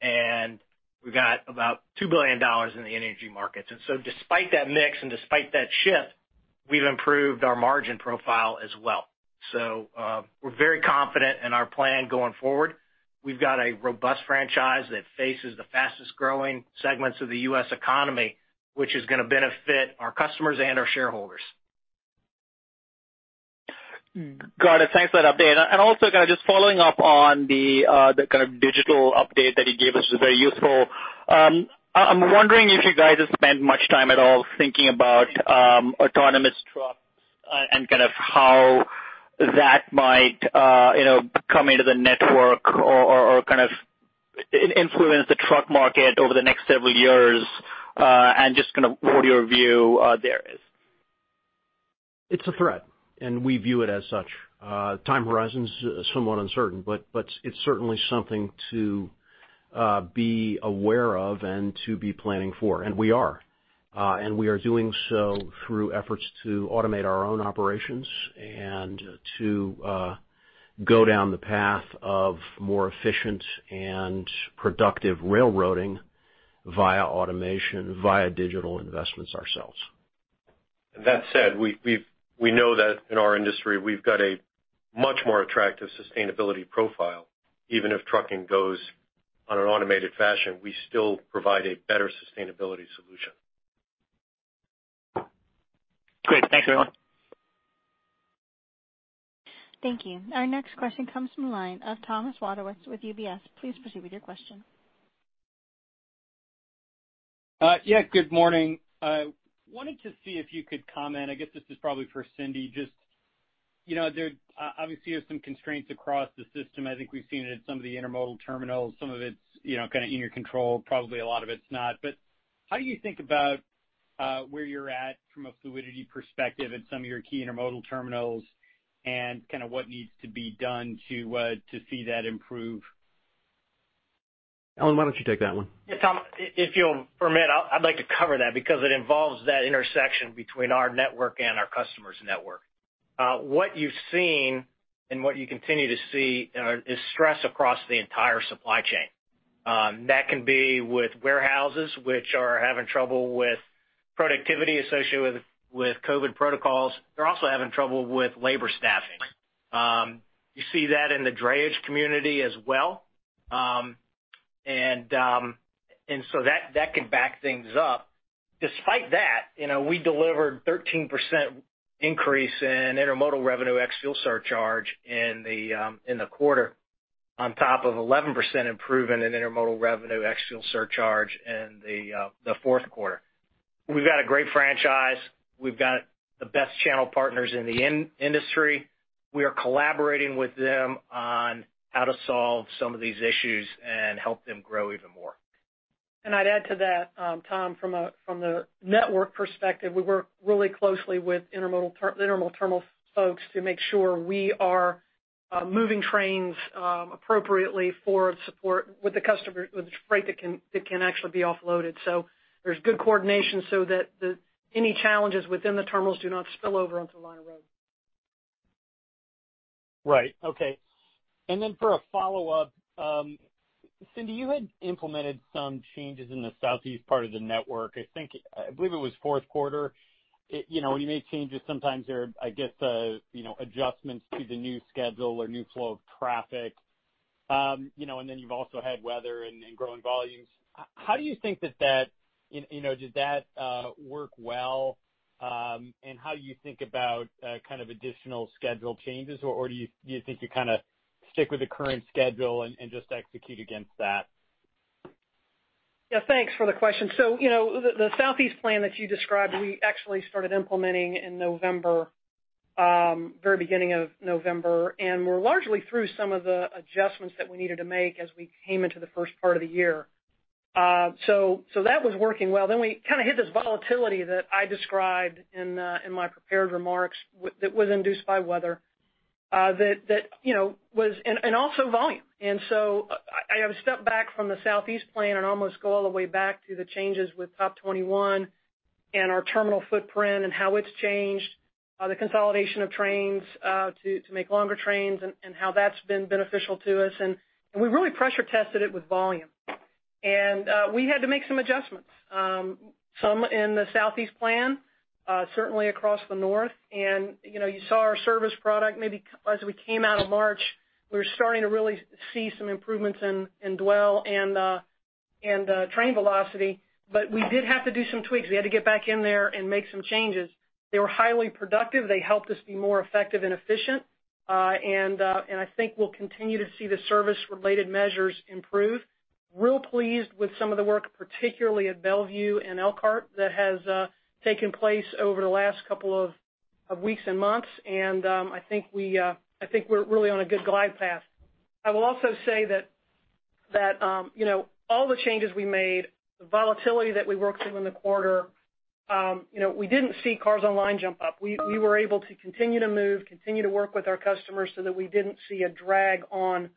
and we've got about $2 billion in the energy markets. Despite that mix and despite that shift, we've improved our margin profile as well. We're very confident in our plan going forward. We've got a robust franchise that faces the fastest-growing segments of the U.S. economy, which is going to benefit our customers and our shareholders. Got it. Thanks for that update. Also just following up on the digital update that you gave us, it was very useful. I'm wondering if you guys have spent much time at all thinking about autonomous trucks and how that might come into the network or influence the truck market over the next several years and just what your view there is. It's a threat, and we view it as such. Time horizon is somewhat uncertain, but it's certainly something to be aware of and to be planning for, and we are. We are doing so through efforts to automate our own operations and to go down the path of more efficient and productive railroading via automation, via digital investments ourselves. That said, we know that in our industry, we've got a much more attractive sustainability profile. Even if trucking goes on an automated fashion, we still provide a better sustainability solution. Great. Thanks, everyone. Thank you. Our next question comes from the line of Thomas Wadewitz with UBS. Please proceed with your question. Yeah. Good morning. Wanted to see if you could comment, I guess this is probably for Cindy. Obviously, there's some constraints across the system. I think we've seen it at some of the intermodal terminals. Some of it's kind of in your control, probably a lot of it's not. How do you think about where you're at from a fluidity perspective at some of your key intermodal terminals, and what needs to be done to see that improve? Alan, why don't you take that one? Yeah, Tom, if you'll permit, I'd like to cover that because it involves that intersection between our network and our customer's network. What you've seen, and what you continue to see, is stress across the entire supply chain. That can be with warehouses, which are having trouble with productivity associated with COVID protocols. They're also having trouble with labor staffing. You see that in the drayage community as well. That can back things up. Despite that, we delivered 13% increase in intermodal revenue ex-fuel surcharge in the quarter, on top of 11% improvement in intermodal revenue ex-fuel surcharge in the fourth quarter. We've got a great franchise. We've got the best channel partners in the industry. We are collaborating with them on how to solve some of these issues and help them grow even more. I'd add to that, Tom, from the network perspective, we work really closely with intermodal terminal folks to make sure we are moving trains appropriately for support with the freight that can actually be offloaded. There's good coordination so that any challenges within the terminals do not spill over onto line of road. Right. Okay. For a follow-up, Cindy, you had implemented some changes in the Southeast part of the network, I believe it was fourth quarter. When you make changes, sometimes there are, I guess, adjustments to the new schedule or new flow of traffic. You've also had weather and growing volumes. How do you think, did that work well, and how do you think about kind of additional schedule changes? Do you think you kind of stick with the current schedule and just execute against that? Yeah. Thanks for the question. The Southeast plan that you described, we actually started implementing in November, very beginning of November. We're largely through some of the adjustments that we needed to make as we came into the first part of the year. We kind of hit this volatility that I described in my prepared remarks that was induced by weather and also volume. I have stepped back from the Southeast plan and almost go all the way back to the changes with TOP21 and our terminal footprint and how it's changed, the consolidation of trains to make longer trains and how that's been beneficial to us. We really pressure tested it with volume. We had to make some adjustments, some in the Southeast plan, certainly across the North. You saw our service product maybe as we came out of March, we were starting to really see some improvements in dwell and train velocity. We did have to do some tweaks. We had to get back in there and make some changes. They were highly productive. They helped us be more effective and efficient. I think we'll continue to see the service-related measures improve. Real pleased with some of the work, particularly at Bellevue and Elkhart, that has taken place over the last couple of weeks and months, and I think we're really on a good glide path. I will also say that all the changes we made, the volatility that we worked through in the quarter, we didn't see cars online jump up. We were able to continue to move, continue to work with our customers so that we didn't see a drag on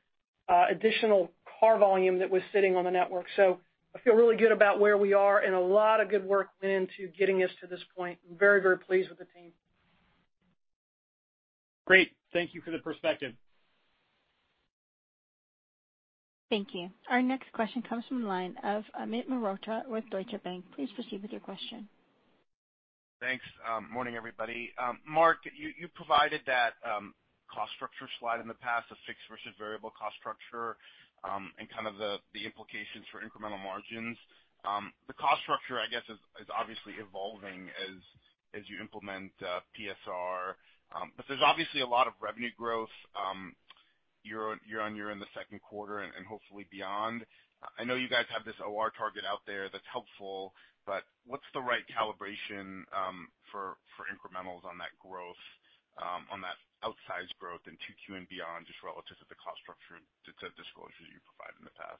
additional car volume that was sitting on the network. I feel really good about where we are, and a lot of good work went into getting us to this point. I'm very pleased with the team. Great. Thank you for the perspective. Thank you. Our next question comes from the line of Amit Mehrotra with Deutsche Bank. Please proceed with your question. Thanks. Morning, everybody. Mark, you provided that cost structure slide in the past, the fixed versus variable cost structure, and kind of the implications for incremental margins. The cost structure, I guess, is obviously evolving as you implement PSR. There's obviously a lot of revenue growth year-on-year in the second quarter and hopefully beyond. I know you guys have this OR target out there that's helpful, but what's the right calibration for incrementals on that growth, on that outsized growth in 2Q and beyond, just relative to the cost structure disclosures you provided in the past?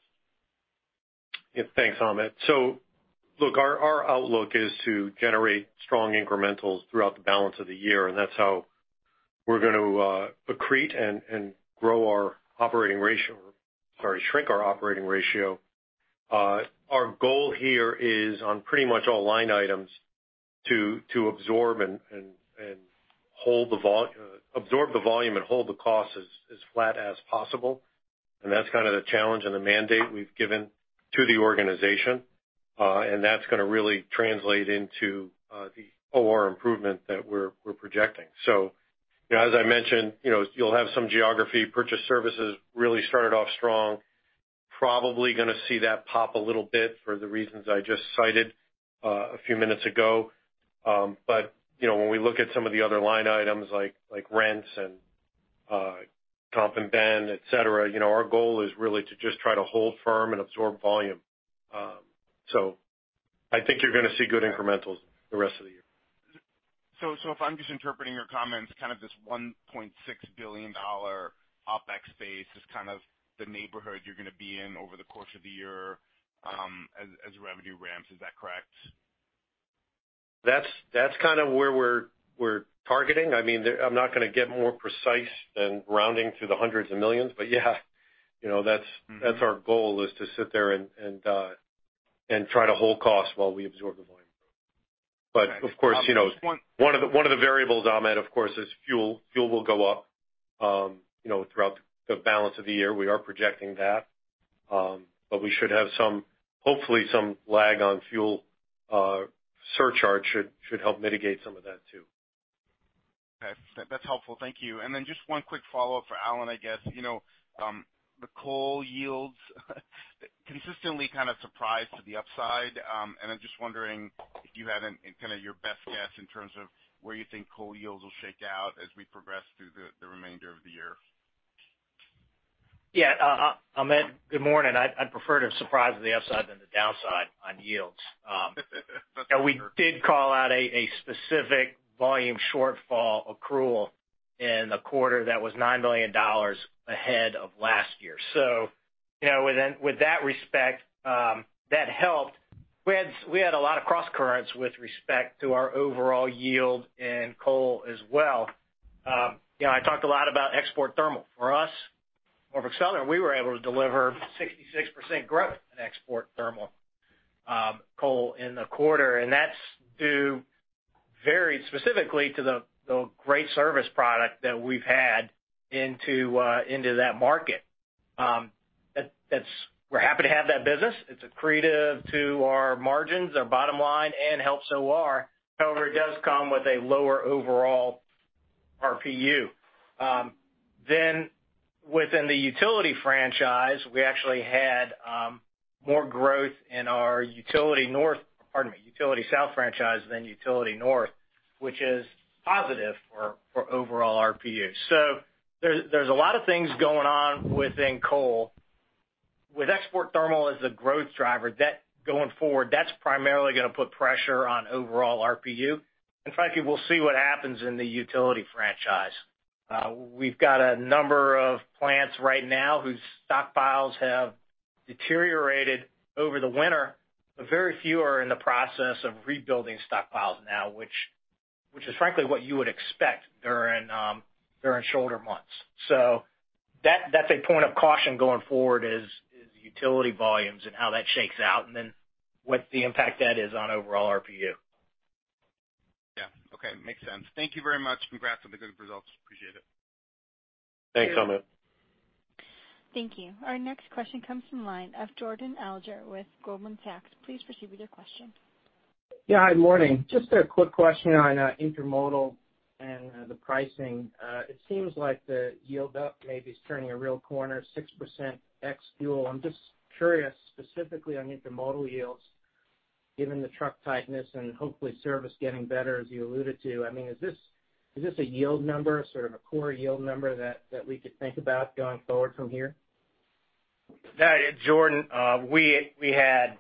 Yeah. Thanks, Amit. Our outlook is to generate strong incrementals throughout the balance of the year, and that's how we're going to accrete and shrink our operating ratio. Our goal here is on pretty much all line items to absorb the volume and hold the cost as flat as possible. That's kind of the challenge and the mandate we've given to the organization. That's going to really translate into the OR improvement that we're projecting. As I mentioned, you'll have some geography purchase services really started off strong. Probably going to see that pop a little bit for the reasons I just cited a few minutes ago. When we look at some of the other line items like rents and comp and ben, et cetera. Our goal is really to just try to hold firm and absorb volume. I think you're going to see good incrementals the rest of the year. If I'm just interpreting your comments, kind of this $1.6 billion OpEx base is kind of the neighborhood you're going to be in over the course of the year as revenue ramps. Is that correct? That's kind of where we're targeting. I'm not going to get more precise than rounding to the hundreds of millions, but yeah. That's our goal, is to sit there and try to hold costs while we absorb the volume. Got it. One of the variables, Amit, of course, is fuel. Fuel will go up throughout the balance of the year. We are projecting that. We should have hopefully some lag on fuel surcharge should help mitigate some of that too. Okay. That's helpful. Thank you. Just one quick follow-up for Alan, I guess. The coal yields consistently kind of surprise to the upside. I'm just wondering if you had kind of your best guess in terms of where you think coal yields will shake out as we progress through the remainder of the year? Amit, good morning. I'd prefer to surprise the upside than the downside on yields. We did call out a specific volume shortfall accrual in the quarter that was $9 million ahead of last year. With that respect, that helped. We had a lot of cross currents with respect to our overall yield in coal as well. I talked a lot about export thermal. For us, Norfolk Southern, we were able to deliver 66% growth in export thermal coal in the quarter, and that's due very specifically to the great service product that we've had into that market. We're happy to have that business. It's accretive to our margins, our bottom line, and helps OR. However, it does come with a lower overall RPU. Within the utility franchise, we actually had more growth in our utility south franchise than utility north, which is positive for overall RPU. There's a lot of things going on within coal. With export thermal as the growth driver, going forward, that's primarily going to put pressure on overall RPU. Frankly, we'll see what happens in the utility franchise. We've got a number of plants right now whose stockpiles have deteriorated over the winter, but very few are in the process of rebuilding stockpiles now, which is frankly what you would expect during shoulder months. That's a point of caution going forward, is utility volumes and how that shakes out, and then what the impact that is on overall RPU. Okay. Makes sense. Thank you very much. Congrats on the good results. Appreciate it. Thank you. Thanks, Amit. Thank you. Our next question comes from line of Jordan Alliger with Goldman Sachs. Please proceed with your question. Yeah, good morning. Just a quick question on intermodal and the pricing. It seems like the yield up maybe is turning a real corner, 6% ex fuel. I am just curious, specifically on intermodal yields, given the truck tightness and hopefully service getting better, as you alluded to. Is this a yield number, sort of a core yield number that we could think about going forward from here? Jordan, we had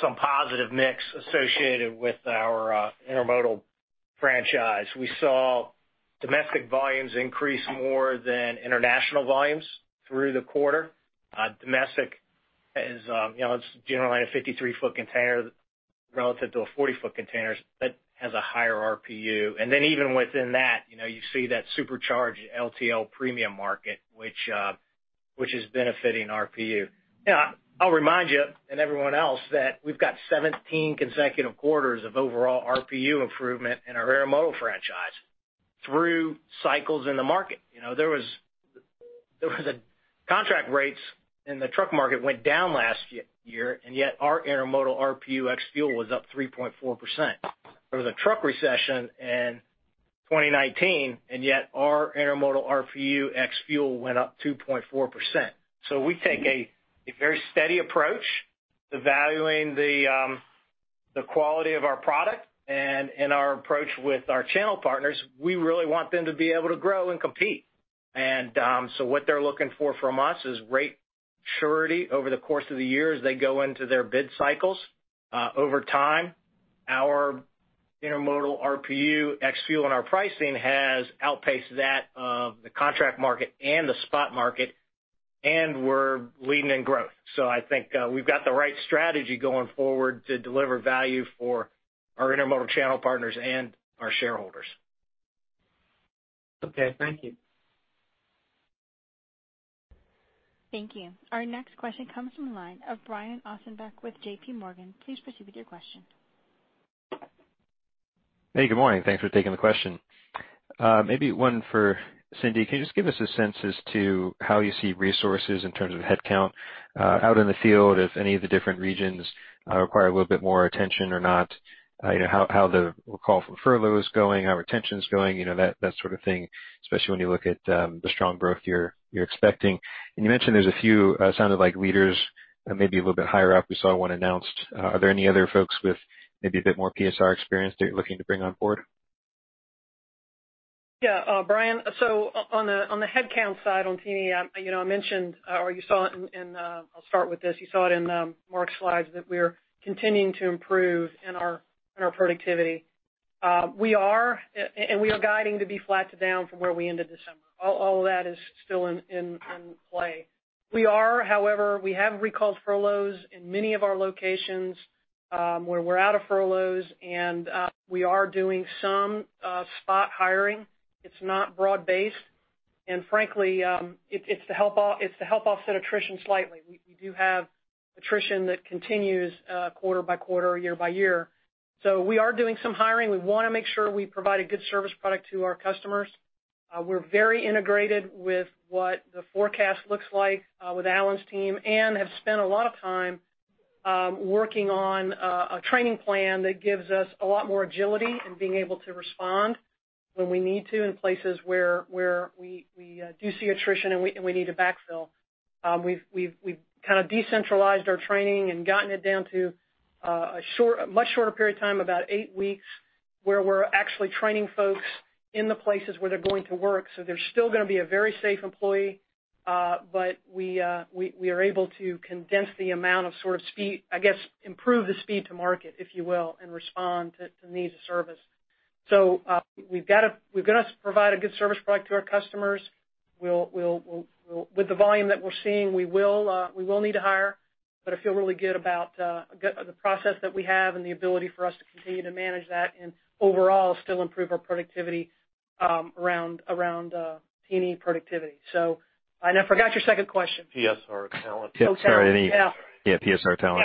some positive mix associated with our intermodal franchise. We saw domestic volumes increase more than international volumes through the quarter. Domestic is generally a 53-foot container relative to a 40-foot container that has a higher RPU. Even within that you see that supercharged LTL premium market which is benefiting RPU. I'll remind you, and everyone else, that we've got 17 consecutive quarters of overall RPU improvement in our intermodal franchise through cycles in the market. Contract rates in the truck market went down last year, yet our intermodal RPU ex fuel was up 3.4%. There was a truck recession in 2019, yet our intermodal RPU ex fuel went up 2.4%. We take a very steady approach to valuing the quality of our product and our approach with our channel partners. We really want them to be able to grow and compete. What they're looking for from us is rate surety over the course of the year as they go into their bid cycles. Over time, our intermodal RPU ex fuel and our pricing has outpaced that of the contract market and the spot market, and we're leading in growth. I think we've got the right strategy going forward to deliver value for our intermodal channel partners and our shareholders. Okay. Thank you. Thank you. Our next question comes from the line of Brian Ossenbeck with JPMorgan. Please proceed with your question. Hey, good morning. Thanks for taking the question. Maybe one for Cindy. Can you just give us a sense as to how you see resources in terms of headcount out in the field, if any of the different regions require a little bit more attention or not? How the call for furlough is going, how retention's going, that sort of thing, especially when you look at the strong growth you're expecting. You mentioned there's a few, sounded like leaders maybe a little bit higher up. We saw one announced. Are there any other folks with maybe a bit more PSR experience that you're looking to bring on board? Yeah, Brian, on the headcount side on T&E, I mentioned, or you saw it in Mark's slides that we're continuing to improve in our productivity. We are guiding to be flat to down from where we ended December. All of that is still in play. However, we have recalled furloughs in many of our locations, where we're out of furloughs, we are doing some spot hiring. It's not broad-based, frankly, it's to help offset attrition slightly. We do have attrition that continues quarter by quarter, year by year. We are doing some hiring. We want to make sure we provide a good service product to our customers. We're very integrated with what the forecast looks like with Alan's team and have spent a lot of time working on a training plan that gives us a lot more agility in being able to respond when we need to in places where we do see attrition and we need to backfill. We've kind of decentralized our training and gotten it down to a much shorter period of time, about eight weeks, where we're actually training folks in the places where they're going to work, so they're still going to be a very safe employee. We are able to condense the amount of speed, I guess, improve the speed to market, if you will, and respond to needs of service. We've got to provide a good service product to our customers. With the volume that we're seeing, we will need to hire, but I feel really good about the process that we have and the ability for us to continue to manage that and overall still improve our productivity around T&E productivity. I forgot your second question. PSR talent. Oh, talent. Yeah. Yeah, PSR talent.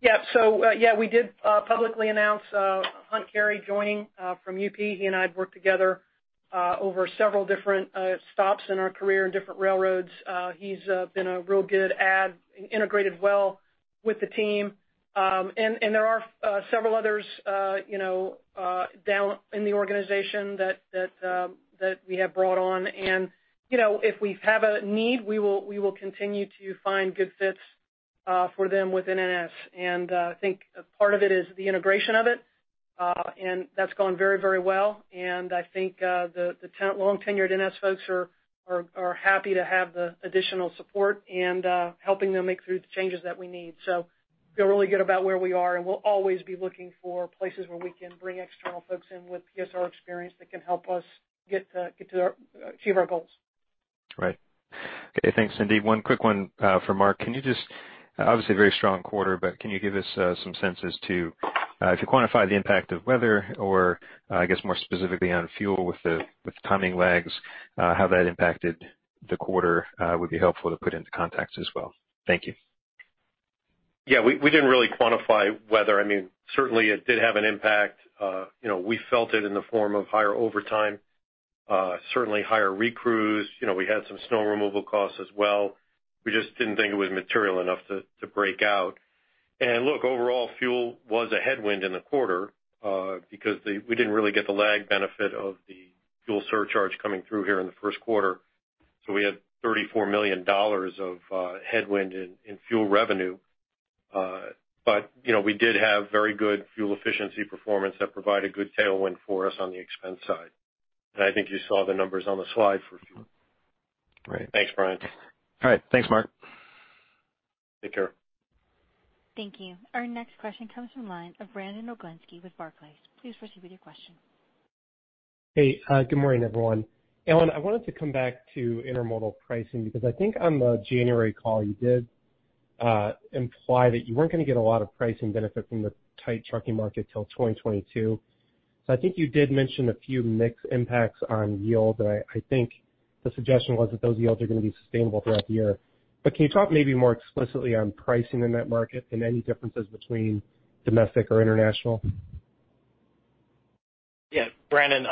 Yeah, we did publicly announce Hunt Cary joining from UP. He and I have worked together over several different stops in our career in different railroads. He's been a real good add, integrated well with the team. There are several others down in the organization that we have brought on. If we have a need, we will continue to find good fits for them within NS. I think a part of it is the integration of it, and that's gone very, very well, and I think the long-tenured NS folks are happy to have the additional support and helping them make through the changes that we need. Feel really good about where we are, and we'll always be looking for places where we can bring external folks in with PSR experience that can help us achieve our goals. Right. Okay, thanks, Cindy. One quick one for Mark. Obviously, a very strong quarter, but can you give us some sense as to if you quantify the impact of weather or, I guess, more specifically on fuel with the timing lags, how that impacted the quarter would be helpful to put into context as well. Thank you. Yeah, we didn't really quantify weather. Certainly, it did have an impact. We felt it in the form of higher overtime, certainly higher recrews. We had some snow removal costs as well. We just didn't think it was material enough to break out. Look, overall, fuel was a headwind in the quarter because we didn't really get the lag benefit of the fuel surcharge coming through here in the first quarter. We had $34 million of headwind in fuel revenue. We did have very good fuel efficiency performance that provided good tailwind for us on the expense side. I think you saw the numbers on the slide for fuel. Right. Thanks, Brian. All right. Thanks, Mark. Take care. Thank you. Our next question comes from the line of Brandon Oglenski with Barclays. Please proceed with your question. Hey, good morning, everyone. Alan, I wanted to come back to intermodal pricing because I think on the January call, you did imply that you weren't going to get a lot of pricing benefit from the tight trucking market till 2022. I think you did mention a few mix impacts on yield, but I think the suggestion was that those yields are going to be sustainable throughout the year. Can you talk maybe more explicitly on pricing in that market and any differences between domestic or international? Brandon,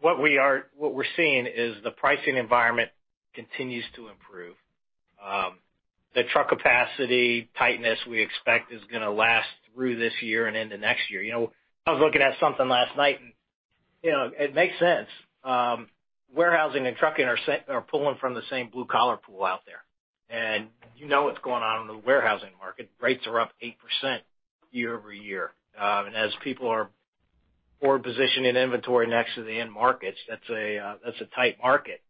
what we're seeing is the pricing environment continues to improve. The truck capacity tightness we expect is going to last through this year and into next year. I was looking at something last night, and it makes sense. Warehousing and trucking are pulling from the same blue-collar pool out there. You know what's going on in the warehousing market. Rates are up 8% year-over-year. As people are forward-positioned in inventory next to the end markets, that's a tight market.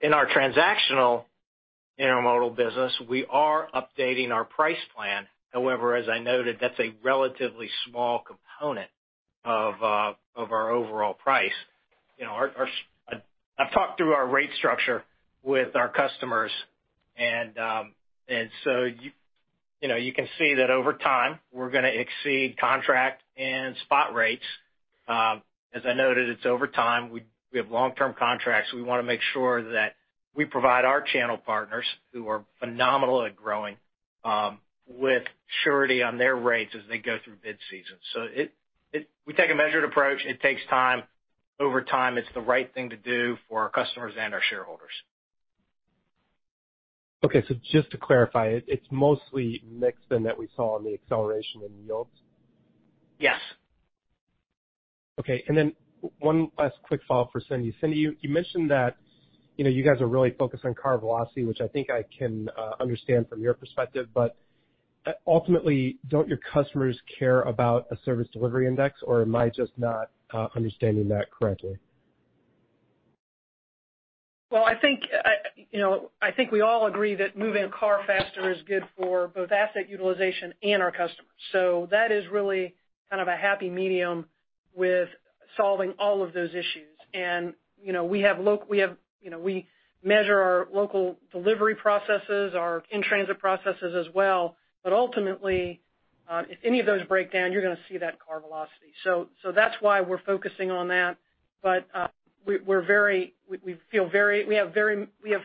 In our transactional intermodal business, we are updating our price plan. However, as I noted, that's a relatively small component of our overall price. I've talked through our rate structure with our customers, and so you can see that over time, we're going to exceed contract and spot rates. As I noted, it's over time. We have long-term contracts. We want to make sure that we provide our channel partners, who are phenomenally growing, with surety on their rates as they go through bid season. We take a measured approach. It takes time. Over time, it's the right thing to do for our customers and our shareholders. Okay, just to clarify, it's mostly mix then that we saw in the acceleration in yields? Yes. Okay, one last quick follow-up for Cindy. Cindy, you mentioned that you guys are really focused on car velocity, which I think I can understand from your perspective. Ultimately, don't your customers care about a service delivery index, or am I just not understanding that correctly? I think we all agree that moving a car faster is good for both asset utilization and our customers. That is really kind of a happy medium with solving all of those issues. We measure our local delivery processes, our in-transit processes as well. Ultimately, if any of those break down, you're going to see that car velocity. That's why we're focusing on that. We have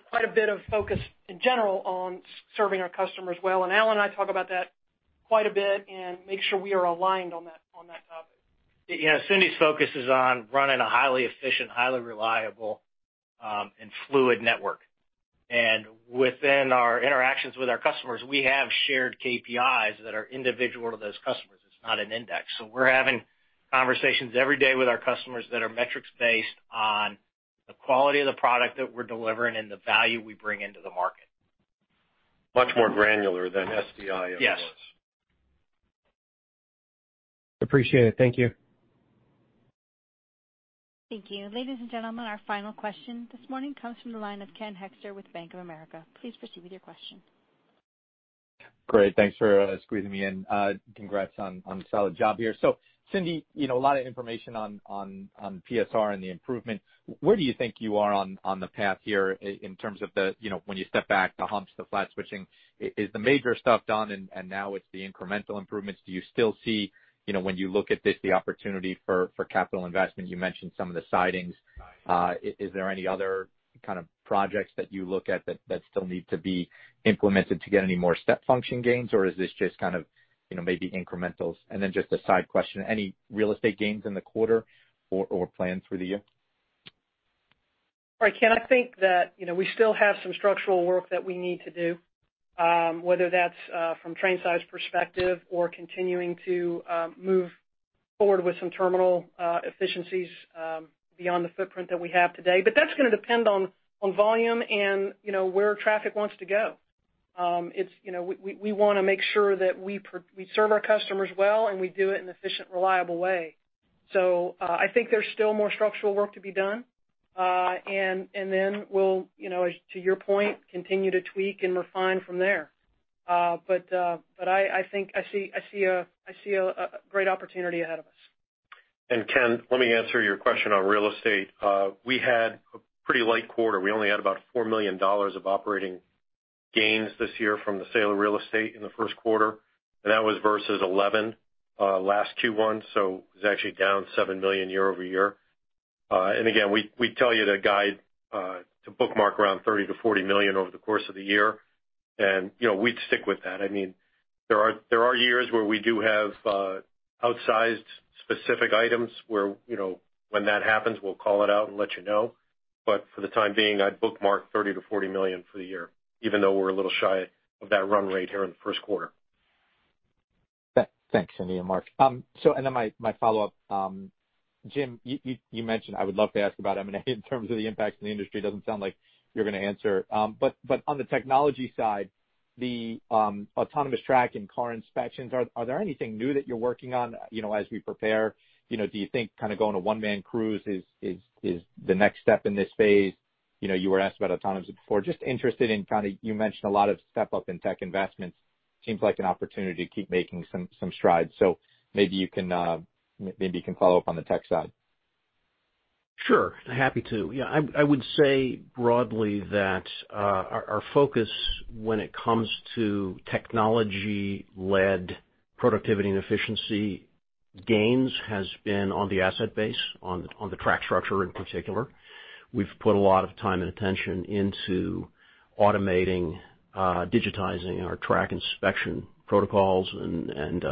quite a bit of focus in general on serving our customers well, and Alan and I talk about that quite a bit and make sure we are aligned on that topic. Yeah, Cindy's focus is on running a highly efficient, highly reliable, and fluid network. Within our interactions with our customers, we have shared KPIs that are individual to those customers. It's not an index. We're having conversations every day with our customers that are metrics based on the quality of the product that we're delivering and the value we bring into the market. Much more granular than SDI ever was. Yes. Appreciate it. Thank you. Thank you. Ladies and gentlemen, our final question this morning comes from the line of Ken Hoexter with Bank of America. Please proceed with your question. Great. Thanks for squeezing me in. Congrats on a solid job here. Cindy, a lot of information on PSR and the improvement. Where do you think you are on the path here in terms of the, when you step back, the humps, the flat switching, is the major stuff done and now it's the incremental improvements? Do you still see, when you look at this, the opportunity for capital investment? You mentioned some of the sidings. Is there any other kind of projects that you look at that still need to be implemented to get any more step function gains? Is this just kind of maybe incremental? Just a side question, any real estate gains in the quarter or plans for the year? Ken, I think that we still have some structural work that we need to do, whether that's from train size perspective or continuing to move forward with some terminal efficiencies beyond the footprint that we have today. That's going to depend on volume and where traffic wants to go. We want to make sure that we serve our customers well, and we do it in an efficient, reliable way. I think there's still more structural work to be done. We'll, to your point, continue to tweak and refine from there. I think I see a great opportunity ahead of us. Ken, let me answer your question on real estate. We had a pretty light quarter. We only had about $4 million of operating gains this year from the sale of real estate in the first quarter, and that was versus $11 million last Q1, so it was actually down $7 million year-over-year. Again, we tell you to guide, to bookmark around $30 million-$40 million over the course of the year, and we'd stick with that. There are years where we do have outsized specific items where when that happens, we'll call it out and let you know. For the time being, I'd bookmark $30 million-$40 million for the year, even though we're a little shy of that run rate here in the first quarter. Thanks, Cindy and Mark. My follow-up. Jim, you mentioned I would love to ask about M&A in terms of the impacts in the industry. It doesn't sound like you're going to answer. On the technology side, the autonomous track and car inspections, are there anything new that you're working on as we prepare? Do you think kind of going to one-man crews is the next step in this phase? You were asked about autonomous before. Just interested in kind of, you mentioned a lot of step-up in tech investments. Seems like an opportunity to keep making some strides. Maybe you can follow up on the tech side. Sure, happy to. Yeah, I would say broadly that our focus when it comes to technology-led productivity and efficiency gains has been on the asset base, on the track structure in particular. We've put a lot of time and attention into automating, digitizing our track inspection protocols and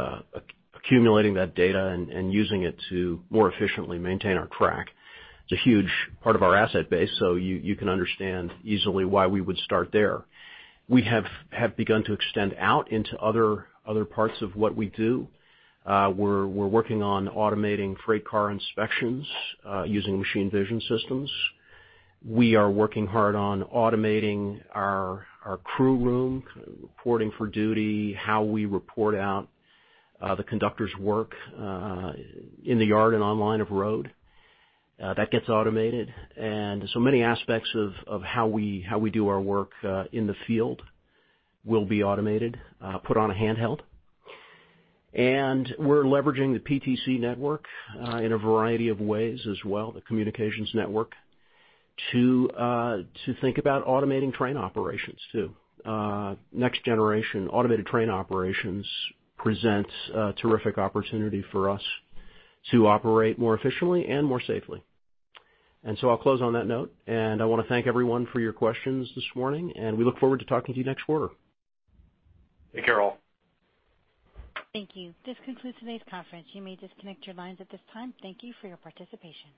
accumulating that data and using it to more efficiently maintain our track. It's a huge part of our asset base, so you can understand easily why we would start there. We have begun to extend out into other parts of what we do. We're working on automating freight car inspections using machine vision systems. We are working hard on automating our crew room, reporting for duty, how we report out the conductors' work in the yard and on line of road. That gets automated. Many aspects of how we do our work in the field will be automated, put on a handheld. We're leveraging the PTC network in a variety of ways as well, the communications network, to think about automating train operations, too. Next generation automated train operations presents a terrific opportunity for us to operate more efficiently and more safely. I'll close on that note, and I want to thank everyone for your questions this morning, and we look forward to talking to you next quarter. Take care, all. Thank you. This concludes today's conference. You may disconnect your lines at this time. Thank you for your participation.